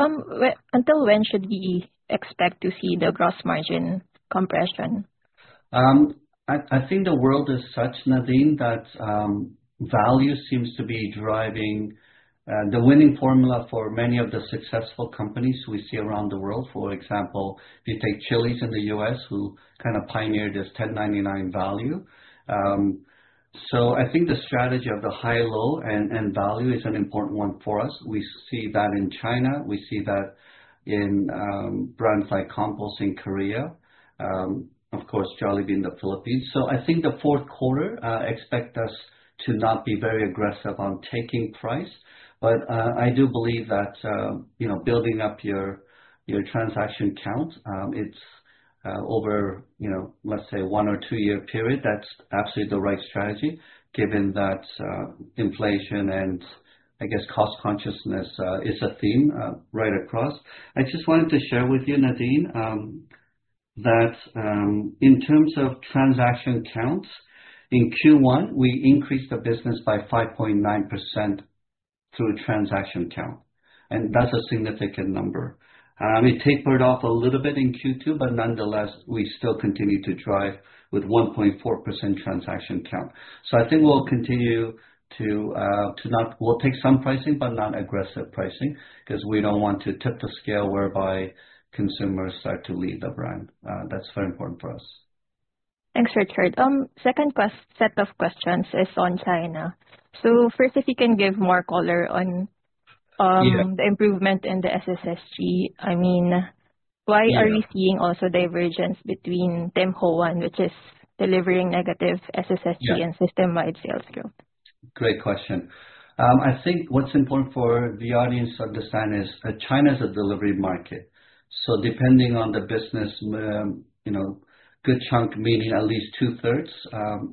Until when should we expect to see the gross margin compression? I think the world is such, Nadine, that value seems to be driving the winning formula for many of the successful companies we see around the world. For example, if you take Chili's in the U.S., who kind of pioneered this $10.99 value. So I think the strategy of the high, low, and value is an important one for us. We see that in China. We see that in brands like Compose in Korea, of course, Jollibee in the Philippines. So I think the fourth quarter expects us to not be very aggressive on taking price. But I do believe that building up your transaction count, it's over, let's say, one- or two-year period. That's absolutely the right strategy given that inflation and, I guess, cost consciousness is a theme right across. I just wanted to share with you, Nadine, that in terms of transaction counts, in Q1, we increased the business by 5.9% through transaction count. And that's a significant number. It tapered off a little bit in Q2, but nonetheless, we still continue to drive with 1.4% transaction count. So I think we'll continue to not we'll take some pricing, but not aggressive pricing because we don't want to tip the scale whereby consumers start to leave the brand. That's very important for us. Thanks, Richard. Second set of questions is on China. So first, if you can give more color on the improvement in the SSSG. I mean, why are you seeing also divergence between Tim Ho Wan, which is delivering negative SSSG and system-wide sales growth? Great question. I think what's important for the audience to understand is China is a delivery market. So depending on the business, good chunk, meaning at least two-thirds,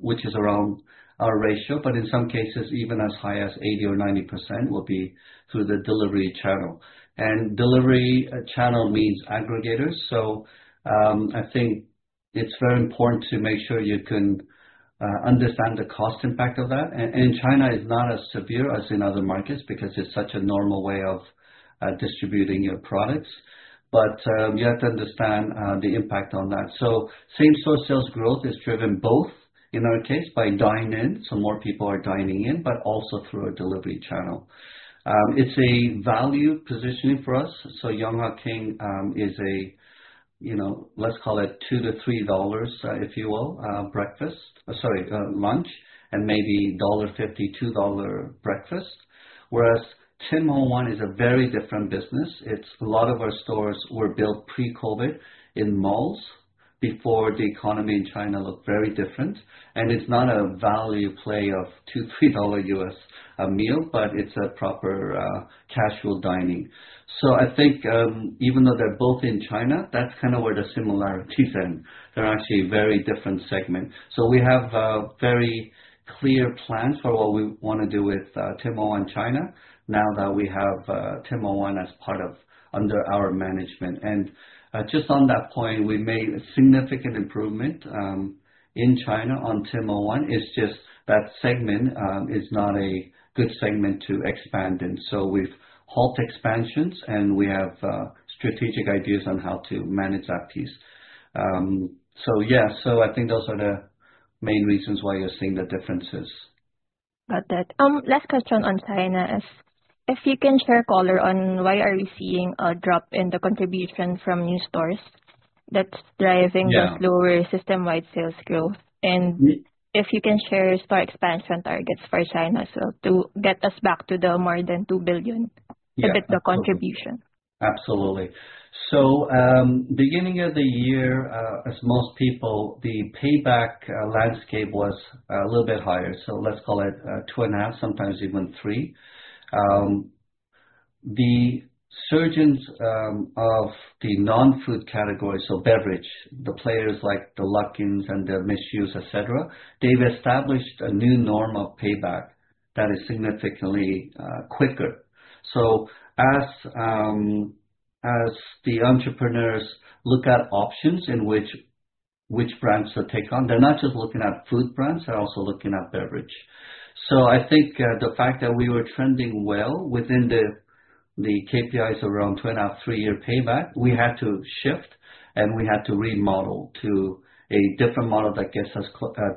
which is around our ratio, but in some cases, even as high as 80% or 90% will be through the delivery channel. And delivery channel means aggregators. So I think it is very important to make sure you can understand the cost impact of that. And China is not as severe as in other markets because it is such a normal way of distributing your products. But you have to understand the impact on that. So same-store sales growth is driven both, in our case, by dine-in, so more people are dining in, but also through a delivery channel. It is a value positioning for us. So Yonghe King is a, let's call it $2-$3, if you will, breakfast, sorry, lunch, and maybe $1.50-$2 breakfast. Whereas Tim Ho Wan is a very different business. A lot of our stores were built pre-COVID in malls before the economy in China looked very different. It's not a value play of $2-$3 a meal, but it's a proper casual dining. I think even though they're both in China, that's kind of where the similarities end. They're actually very different segments. We have a very clear plan for what we want to do with Tim Ho Wan China, now that we have Tim Ho Wan as part of under our management. Just on that point, we made a significant improvement in China on Tim Ho Wan. It's just that segment is not a good segment to expand in. We've halted expansions, and we have strategic ideas on how to manage that piece. Yeah, I think those are the main reasons why you're seeing the differences. Got that. Last question on China. If you can share color on why we are seeing a drop in the contribution from new stores that's driving this lower system-wide sales growth. And if you can share store expansion targets for China to get us back to the more than 2 billion EBITDA contribution. Absolutely. So beginning of the year, as most people, the payback landscape was a little bit higher. So let's call it two and a half, sometimes even three. The surge in the non-food category, so beverage, the players like the Luckin and the Mixue Bingcheng, etc., they've established a new norm of payback that is significantly quicker. So as the entrepreneurs look at options in which brands to take on, they're not just looking at food brands, they're also looking at beverage. So I think the fact that we were trending well within the KPIs around 2.5 three-year payback. We had to shift, and we had to remodel to a different model that gets us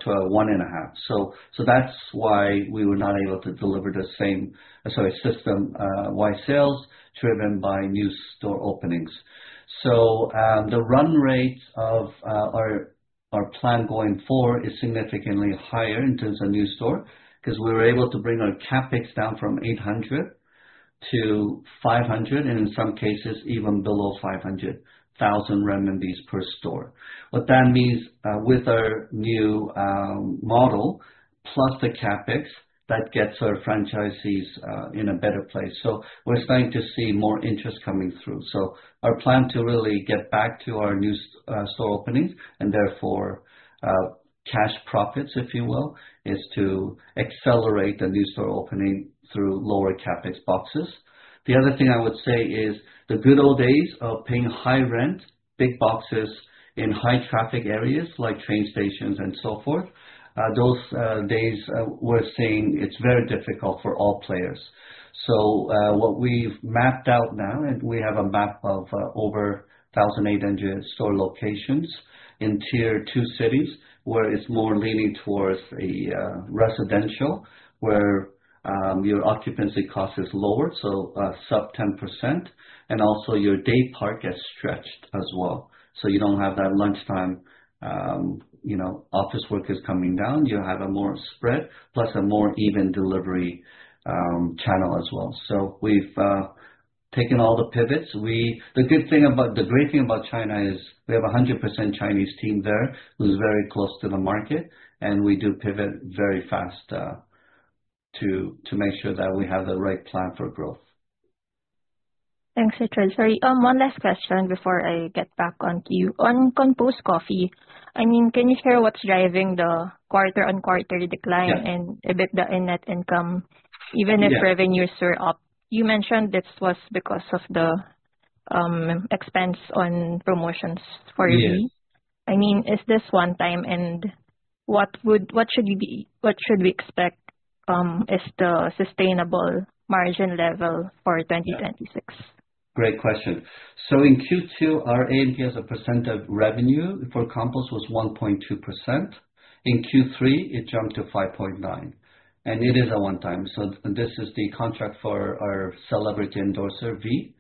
to a one and a half. So that's why we were not able to deliver the same, sorry, system-wide sales driven by new store openings. So the run rate of our plan going forward is significantly higher in terms of new store because we were able to bring our CapEx down from 800,000 to 500,000, and in some cases, even below 500,000 renminbi per store. What that means with our new model, plus the CapEx that gets our franchisees in a better place. So we're starting to see more interest coming through. So our plan to really get back to our new store openings and therefore cash profits, if you will, is to accelerate the new store opening through lower CapEx boxes. The other thing I would say is the good old days of paying high rent, big boxes in high traffic areas like train stations and so forth. Those days we're seeing it's very difficult for all players. So what we've mapped out now, and we have a map of over 1,800 store locations in tier two cities where it's more leaning towards a residential where your occupancy cost is lower, so sub 10%. And also your daypart gets stretched as well. So you don't have that lunchtime office work is coming down. You have a more spread, plus a more even delivery channel as well. So we've taken all the pivots. The great thing about China is we have a 100% Chinese team there who's very close to the market, and we do pivot very fast to make sure that we have the right plan for growth. Thanks, Richard. Sorry. One last question before I get back to you. On Compose Coffee, I mean, can you share what's driving the quarter-on-quarter decline in EBITDA and net income, even if revenues were up? You mentioned this was because of the expense on promotions for V. I mean, is this one time, and what should we expect is the sustainable margin level for 2026? Great question. So in Q2, our A&P's, our percent of revenue for Compose was 1.2%. In Q3, it jumped to 5.9%. And it is a one-time. So this is the contract for our celebrity endorser, V,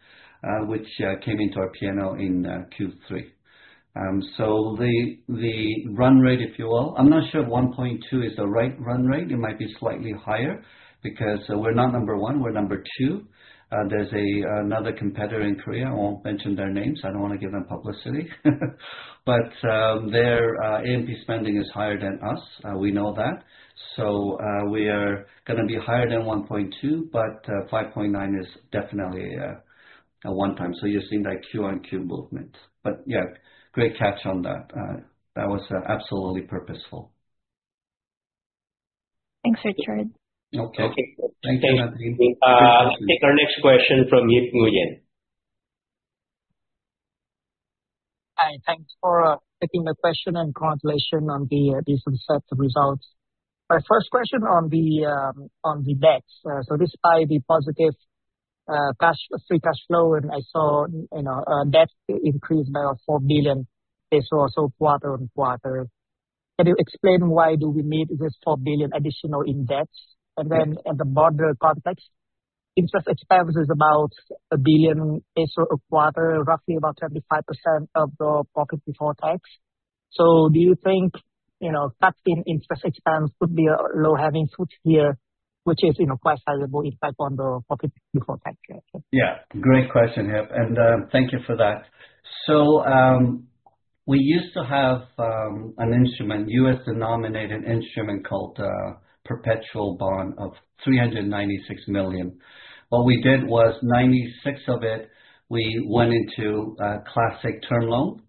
which came into our P&L in Q3. So the run rate, if you will, I'm not sure if 1.2 is the right run rate. It might be slightly higher because we're not number 1. We're number 2. There's another competitor in Korea. I won't mention their names. I don't want to give them publicity. But their A&P spending is higher than us. We know that. So we are going to be higher than 1.2, but 5.9 is definitely a one-time. So you're seeing that Q-on-Q movement. But yeah, great catch on that. That was absolutely purposeful. Thanks, Richard. Okay. Thank you, Nadine. Our next question from Yip Nguyen. Hi. Thanks for taking the question and congratulations on the recent strong results. My first question on the debt. Despite the positive free cash flow, and I saw debt increased by about 4 billion pesos quarter on quarter, can you explain why do we need this 4 billion additional in debts? And then in the broader context, interest expense is about 1 billion peso a quarter, roughly about 25% of the profit before tax. So do you think cutting interest expense could be a low-hanging fruit here, which is quite sizable impact on the profit before tax? Yeah. Great question, Yip. And thank you for that. So we used to have an instrument, U.S.-denominated instrument called Perpetual Bond of $396 million. What we did was 96 of it, we went into classic term loan.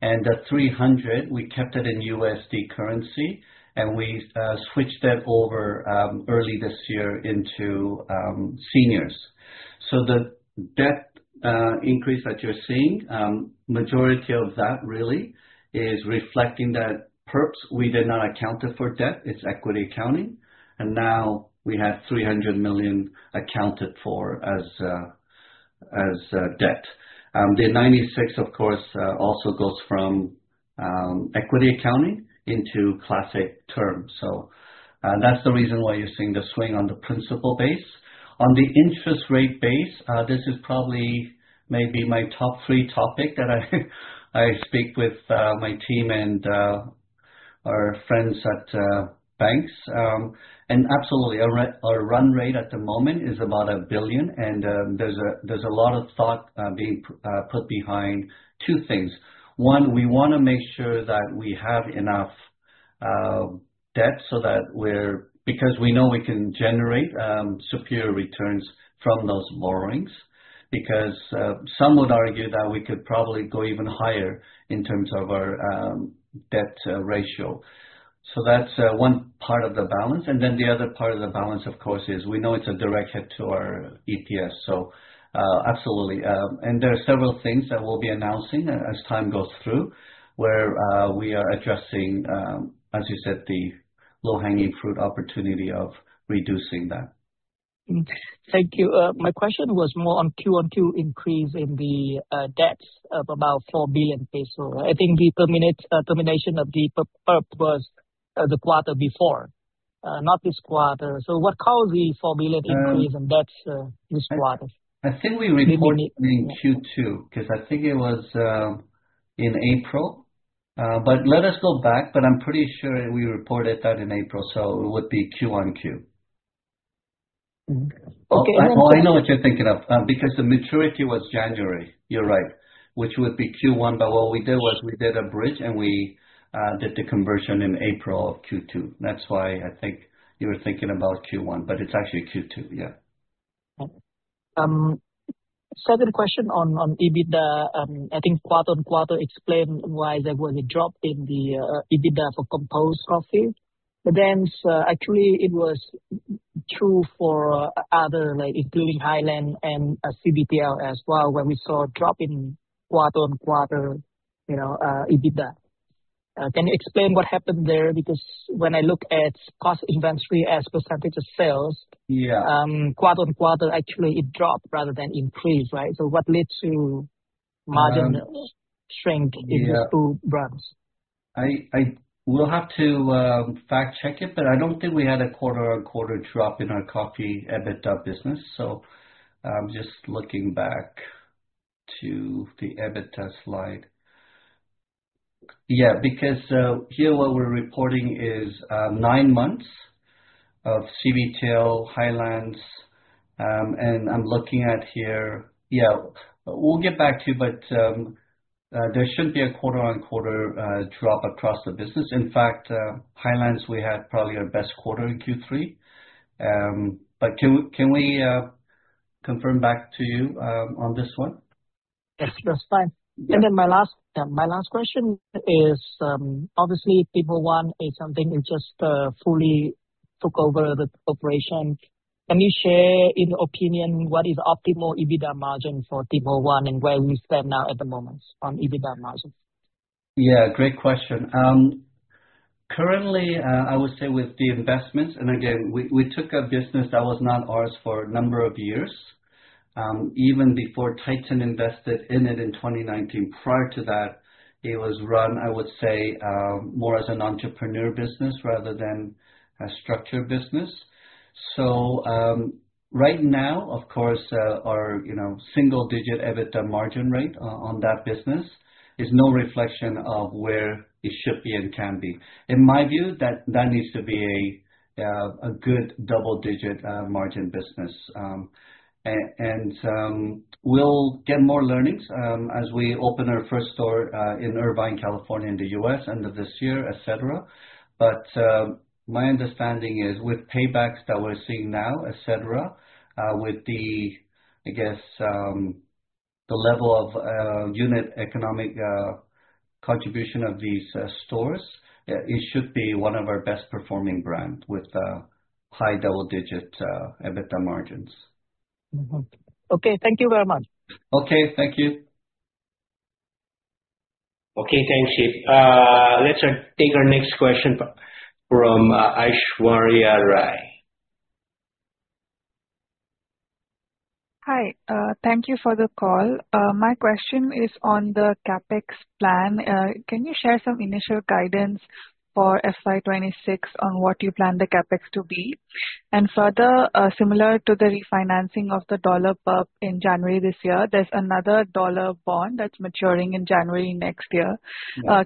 And the 300, we kept it in USD currency, and we switched that over early this year into seniors. So the debt increase that you're seeing, majority of that really is reflecting that perps. We did not account it for debt. It's equity accounting. And now we have 300 million accounted for as debt. The 96, of course, also goes from equity accounting into classic term. So that's the reason why you're seeing the swing on the principal base. On the interest rate base, this is probably maybe my top three topic that I speak with my team and our friends at banks. And absolutely, our run rate at the moment is about 1 billion. And there's a lot of thought being put behind two things. One, we want to make sure that we have enough debt so that we're because we know we can generate superior returns from those borrowings because some would argue that we could probably go even higher in terms of our debt ratio. So that's one part of the balance. And then the other part of the balance, of course, is we know it's a direct hit to our EPS. So absolutely. And there are several things that we'll be announcing as time goes through where we are addressing, as you said, the low-hanging fruit opportunity of reducing that. Thank you. My question was more on Q1Q increase in the debts of about 4 billion pesos. I think the termination of the perp was the quarter before, not this quarter. So what caused the 4 billion increase in debts this quarter? I think we reported in Q2 because I think it was in April. But let us go back, but I'm pretty sure we reported that in April. So it would be Q1Q. Okay. Well, I know what you're thinking of because the maturity was January. You're right, which would be Q1. But what we did was we did a bridge, and we did the conversion in April of Q2. That's why I think you were thinking about Q1, but it's actually Q2. Yeah. Second question on EBITDA, I think quarter on quarter explained why there was a drop in the EBITDA for Compose Coffee. But then actually, it was true for other, including Highlands and CBTL as well, where we saw a drop in quarter on quarter EBITDA. Can you explain what happened there? Because when I look at cost inventory as percentage of sales, quarter on quarter, actually, it dropped rather than increased, right? So what led to margin shrink in these two brands? I will have to fact-check it, but I don't think we had a quarter-on-quarter drop in our coffee EBITDA business. So I'm just looking back to the EBITDA slide. Yeah. Because here, what we're reporting is nine months of CBTL, Highlands. And I'm looking at here. Yeah. We'll get back to you, but there shouldn't be a quarter-on-quarter drop across the business. In fact, Highlands, we had probably our best quarter in Q3. But can we confirm back to you on this one? Yes. That's fine. And then my last question is, obviously, Tim Ho Wan is something you just fully took over the operation. Can you share in your opinion what is optimal EBITDA margin for Tim Ho Wan and where we stand now at the moment on EBITDA margin? Yeah. Great question. Currently, I would say with the investments, and again, we took a business that was not ours for a number of years, even before Titan invested in it in 2019. Prior to that, it was run, I would say, more as an entrepreneur business rather than a structured business. So right now, of course, our single-digit EBITDA margin rate on that business is no reflection of where it should be and can be. In my view, that needs to be a good double-digit margin business, and we'll get more learnings as we open our first store in Irvine, California, in the US, end of this year, etc., but my understanding is with paybacks that we're seeing now, etc., with the, I guess, the level of unit economic contribution of these stores, it should be one of our best-performing brands with high double-digit EBITDA margins. Okay. Thank you very much. Okay. Thank you. Okay. Thank you. Let's take our next question from Aishwary Rai. Hi. Thank you for the call. My question is on the CapEx plan. Can you share some initial guidance for FY 2026 on what you plan the CapEx to be? And further, similar to the refinancing of the dollar perp in January this year, there's another dollar bond that's maturing in January next year.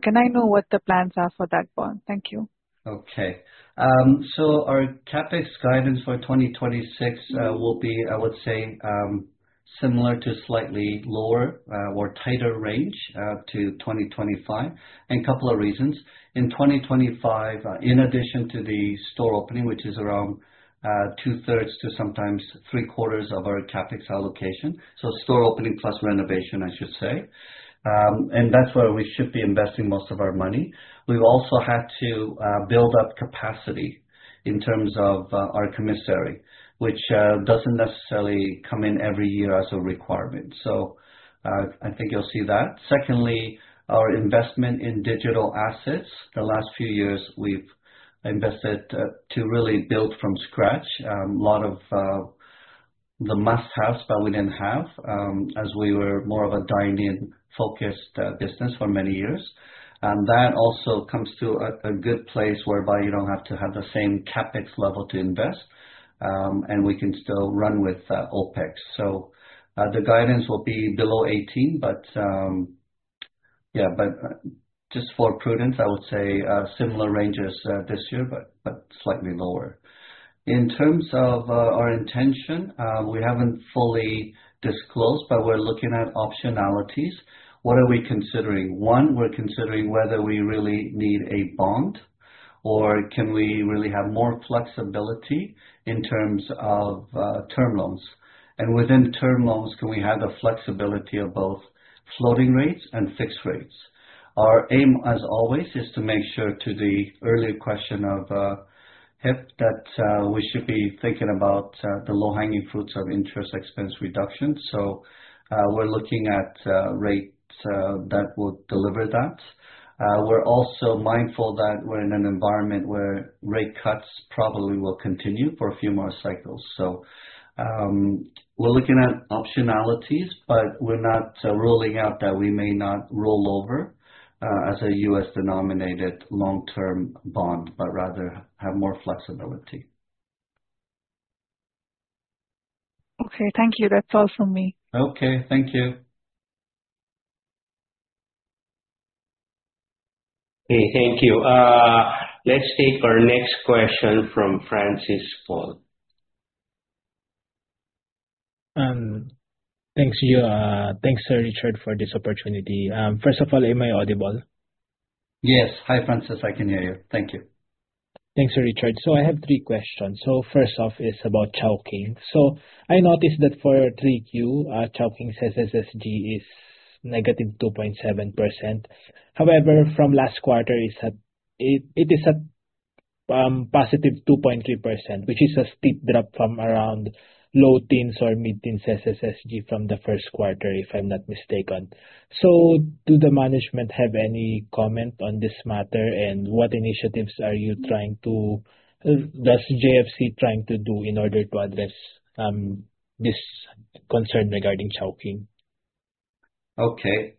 Can I know what the plans are for that bond? Thank you. Okay. So our CapEx guidance for 2026 will be, I would say, similar to slightly lower or tighter range to 2025. And a couple of reasons. In 2025, in addition to the store opening, which is around two-thirds to sometimes three-quarters of our CapEx allocation, so store opening plus renovation, I should say. And that's where we should be investing most of our money. We also have to build up capacity in terms of our commissary, which doesn't necessarily come in every year as a requirement. So I think you'll see that. Secondly, our investment in digital assets. The last few years, we've invested to really build from scratch. A lot of the must-haves that we didn't have as we were more of a dine-in-focused business for many years. And that also comes to a good place whereby you don't have to have the same CapEx level to invest, and we can still run with OpEx. So the guidance will be below 18, but yeah. But just for prudence, I would say similar ranges this year, but slightly lower. In terms of our intention, we haven't fully disclosed, but we're looking at optionalities. What are we considering? One, we're considering whether we really need a bond, or can we really have more flexibility in terms of term loans? And within term loans, can we have the flexibility of both floating rates and fixed rates? Our aim, as always, is to make sure to the earlier question of Yip that we should be thinking about the low-hanging fruits of interest expense reduction. So we're looking at rates that will deliver that. We're also mindful that we're in an environment where rate cuts probably will continue for a few more cycles. So we're looking at optionalities, but we're not ruling out that we may not roll over as a U.S.-denominated long-term bond, but rather have more flexibility. Okay. Thank you. That's all from me. Okay. Thank you. Okay. Thank you. Let's take our next question from Francis Pua. Thanks, Richard, for this opportunity. First of all, am I audible? Yes. Hi, Francis. I can hear you. Thank you. Thanks, Richard. So I have three questions. So first off is about Chowking. So I noticed that for 3Q, Chowking's SSSG is negative 2.7%. However, from last quarter, it is at positive 2.3%, which is a steep drop from around low teens or mid-teens SSSG from the first quarter, if I'm not mistaken. So do the management have any comment on this matter? And what initiatives are you trying to—does JFC try to do in order to address this concern regarding Chowking? Okay.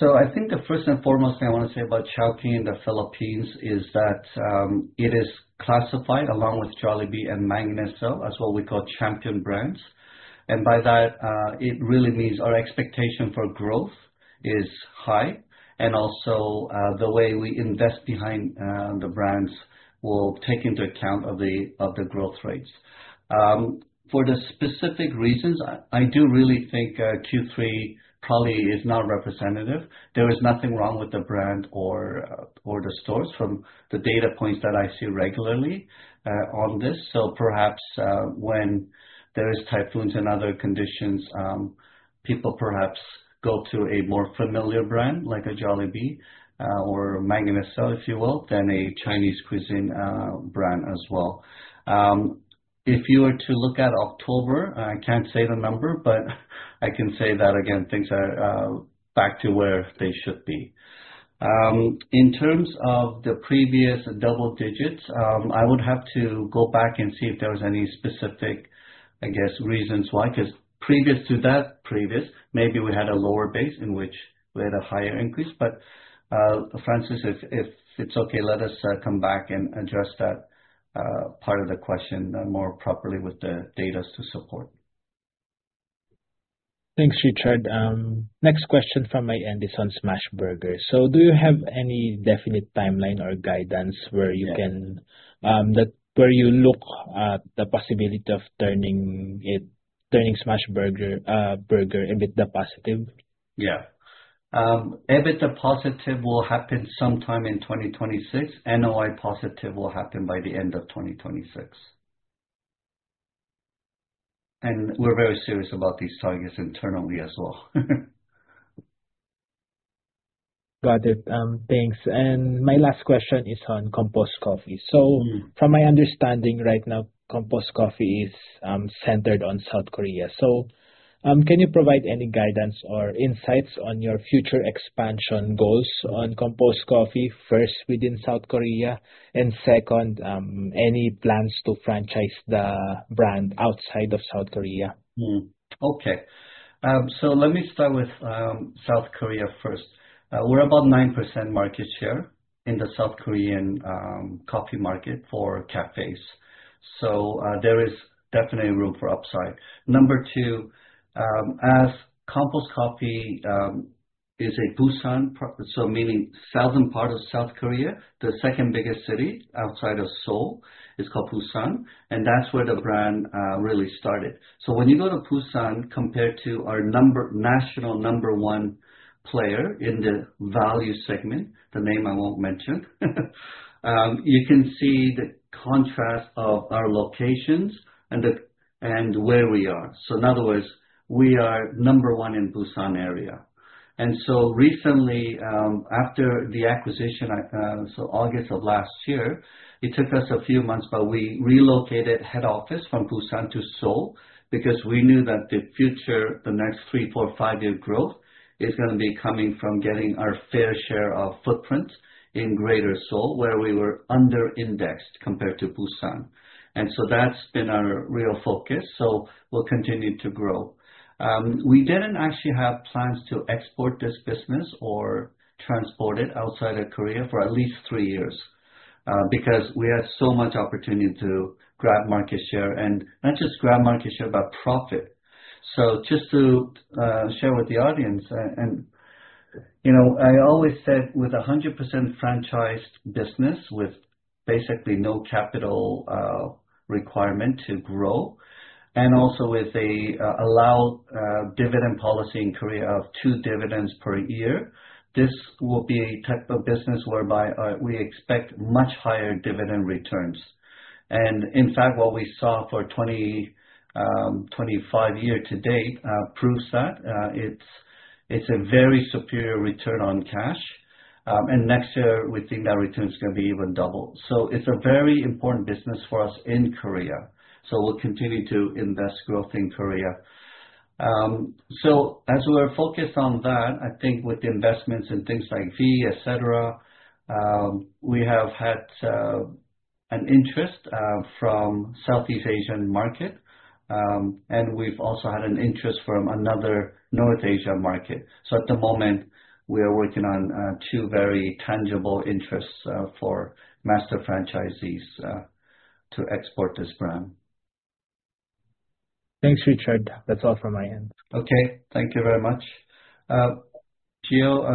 So I think the first and foremost thing I want to say about Chowking in the Philippines is that it is classified along with Jollibee and Mang Inasal as what we call champion brands. And by that, it really means our expectation for growth is high. And also, the way we invest behind the brands will take into account the growth rates. For the specific reasons, I do really think Q3 probably is not representative. There is nothing wrong with the brand or the stores from the data points that I see regularly on this. So perhaps when there are typhoons and other conditions, people perhaps go to a more familiar brand like a Jollibee or Mang Inasal, if you will, than a Chinese cuisine brand as well. If you were to look at October, I can't say the number, but I can say that, again, things are back to where they should be. In terms of the previous double digits, I would have to go back and see if there were any specific, I guess, reasons why. Because previous to that, maybe we had a lower base in which we had a higher increase. But Francis, if it's okay, let us come back and address that part of the question more properly with the data to support. Thanks, Richard. Next question from my end is on Smashburger. So do you have any definite timeline or guidance where you look at the possibility of turning Smashburger EBITDA positive? Yeah. EBITDA positive will happen sometime in 2026. NOI positive will happen by the end of 2026. And we're very serious about these targets internally as well. Got it. Thanks. And my last question is on Compose Coffee. So from my understanding right now, Compose Coffee is centered on South Korea. So can you provide any guidance or insights on your future expansion goals on Compose Coffee, first within South Korea, and second, any plans to franchise the brand outside of South Korea? Okay. So let me start with South Korea first. We're about 9% market share in the South Korean coffee market for cafes. So there is definitely room for upside. Number two, as Compose Coffee is a Busan, so meaning southern part of South Korea, the second biggest city outside of Seoul is called Busan. And that's where the brand really started. So when you go to Busan, compared to our national number one player in the value segment, the name I won't mention, you can see the contrast of our locations and where we are. So in other words, we are number one in the Busan area. And so recently, after the acquisition, so August of last year, it took us a few months, but we relocated head office from Busan to Seoul because we knew that the future, the next three, four, five-year growth is going to be coming from getting our fair share of footprint in Greater Seoul, where we were under-indexed compared to Busan. And so that's been our real focus. So we'll continue to grow. We didn't actually have plans to export this business or transport it outside of Korea for at least three years because we had so much opportunity to grab market share, and not just grab market share, but profit, so just to share with the audience, and I always said with a 100% franchised business with basically no capital requirement to grow, and also with an allowed dividend policy in Korea of two dividends per year, this will be a type of business whereby we expect much higher dividend returns, and in fact, what we saw for 2025 year to date proves that. It's a very superior return on cash, and next year, we think that return is going to be even double, so it's a very important business for us in Korea, so we'll continue to invest growth in Korea. So as we're focused on that, I think with investments in things like F&B, etc., we have had an interest from Southeast Asian market, and we've also had an interest from another North Asia market. So at the moment, we are working on two very tangible interests for master franchisees to export this brand. Thanks, Richard. That's all from my end. Okay. Thank you very much. Gio,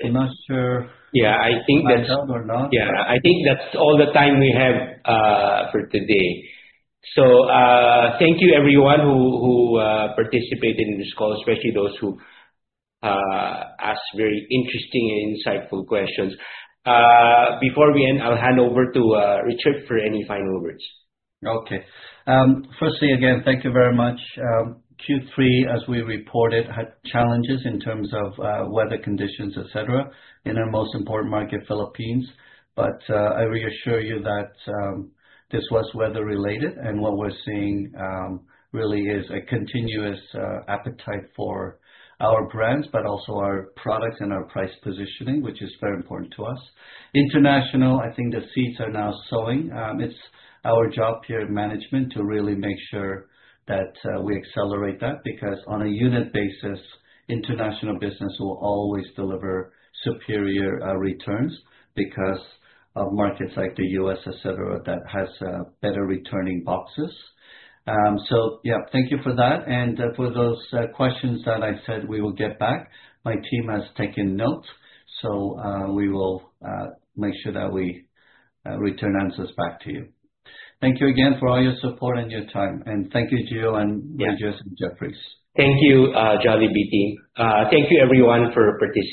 I'm not sure if you can tell or not. Yeah. I think that's all the time we have for today. So thank you, everyone who participated in this call, especially those who asked very interesting and insightful questions. Before we end, I'll hand over to Richard for any final words. Okay. Firstly, again, thank you very much. Q3, as we reported, had challenges in terms of weather conditions, etc., in our most important market, Philippines. But I reassure you that this was weather-related, and what we're seeing really is a continuous appetite for our brands, but also our products and our price positioning, which is very important to us. International, I think the seeds are now sowing. It's our job here in management to really make sure that we accelerate that because on a unit basis, international business will always deliver superior returns because of markets like the US, etc., that has better returning boxes. So yeah, thank you for that. And for those questions that I said, we will get back. My team has taken notes, so we will make sure that we return answers back to you. Thank you again for all your support and your time. And thank you, Gio, and JFC, Jefferies. Thank you, Jollibee team. Thank you, everyone, for participating.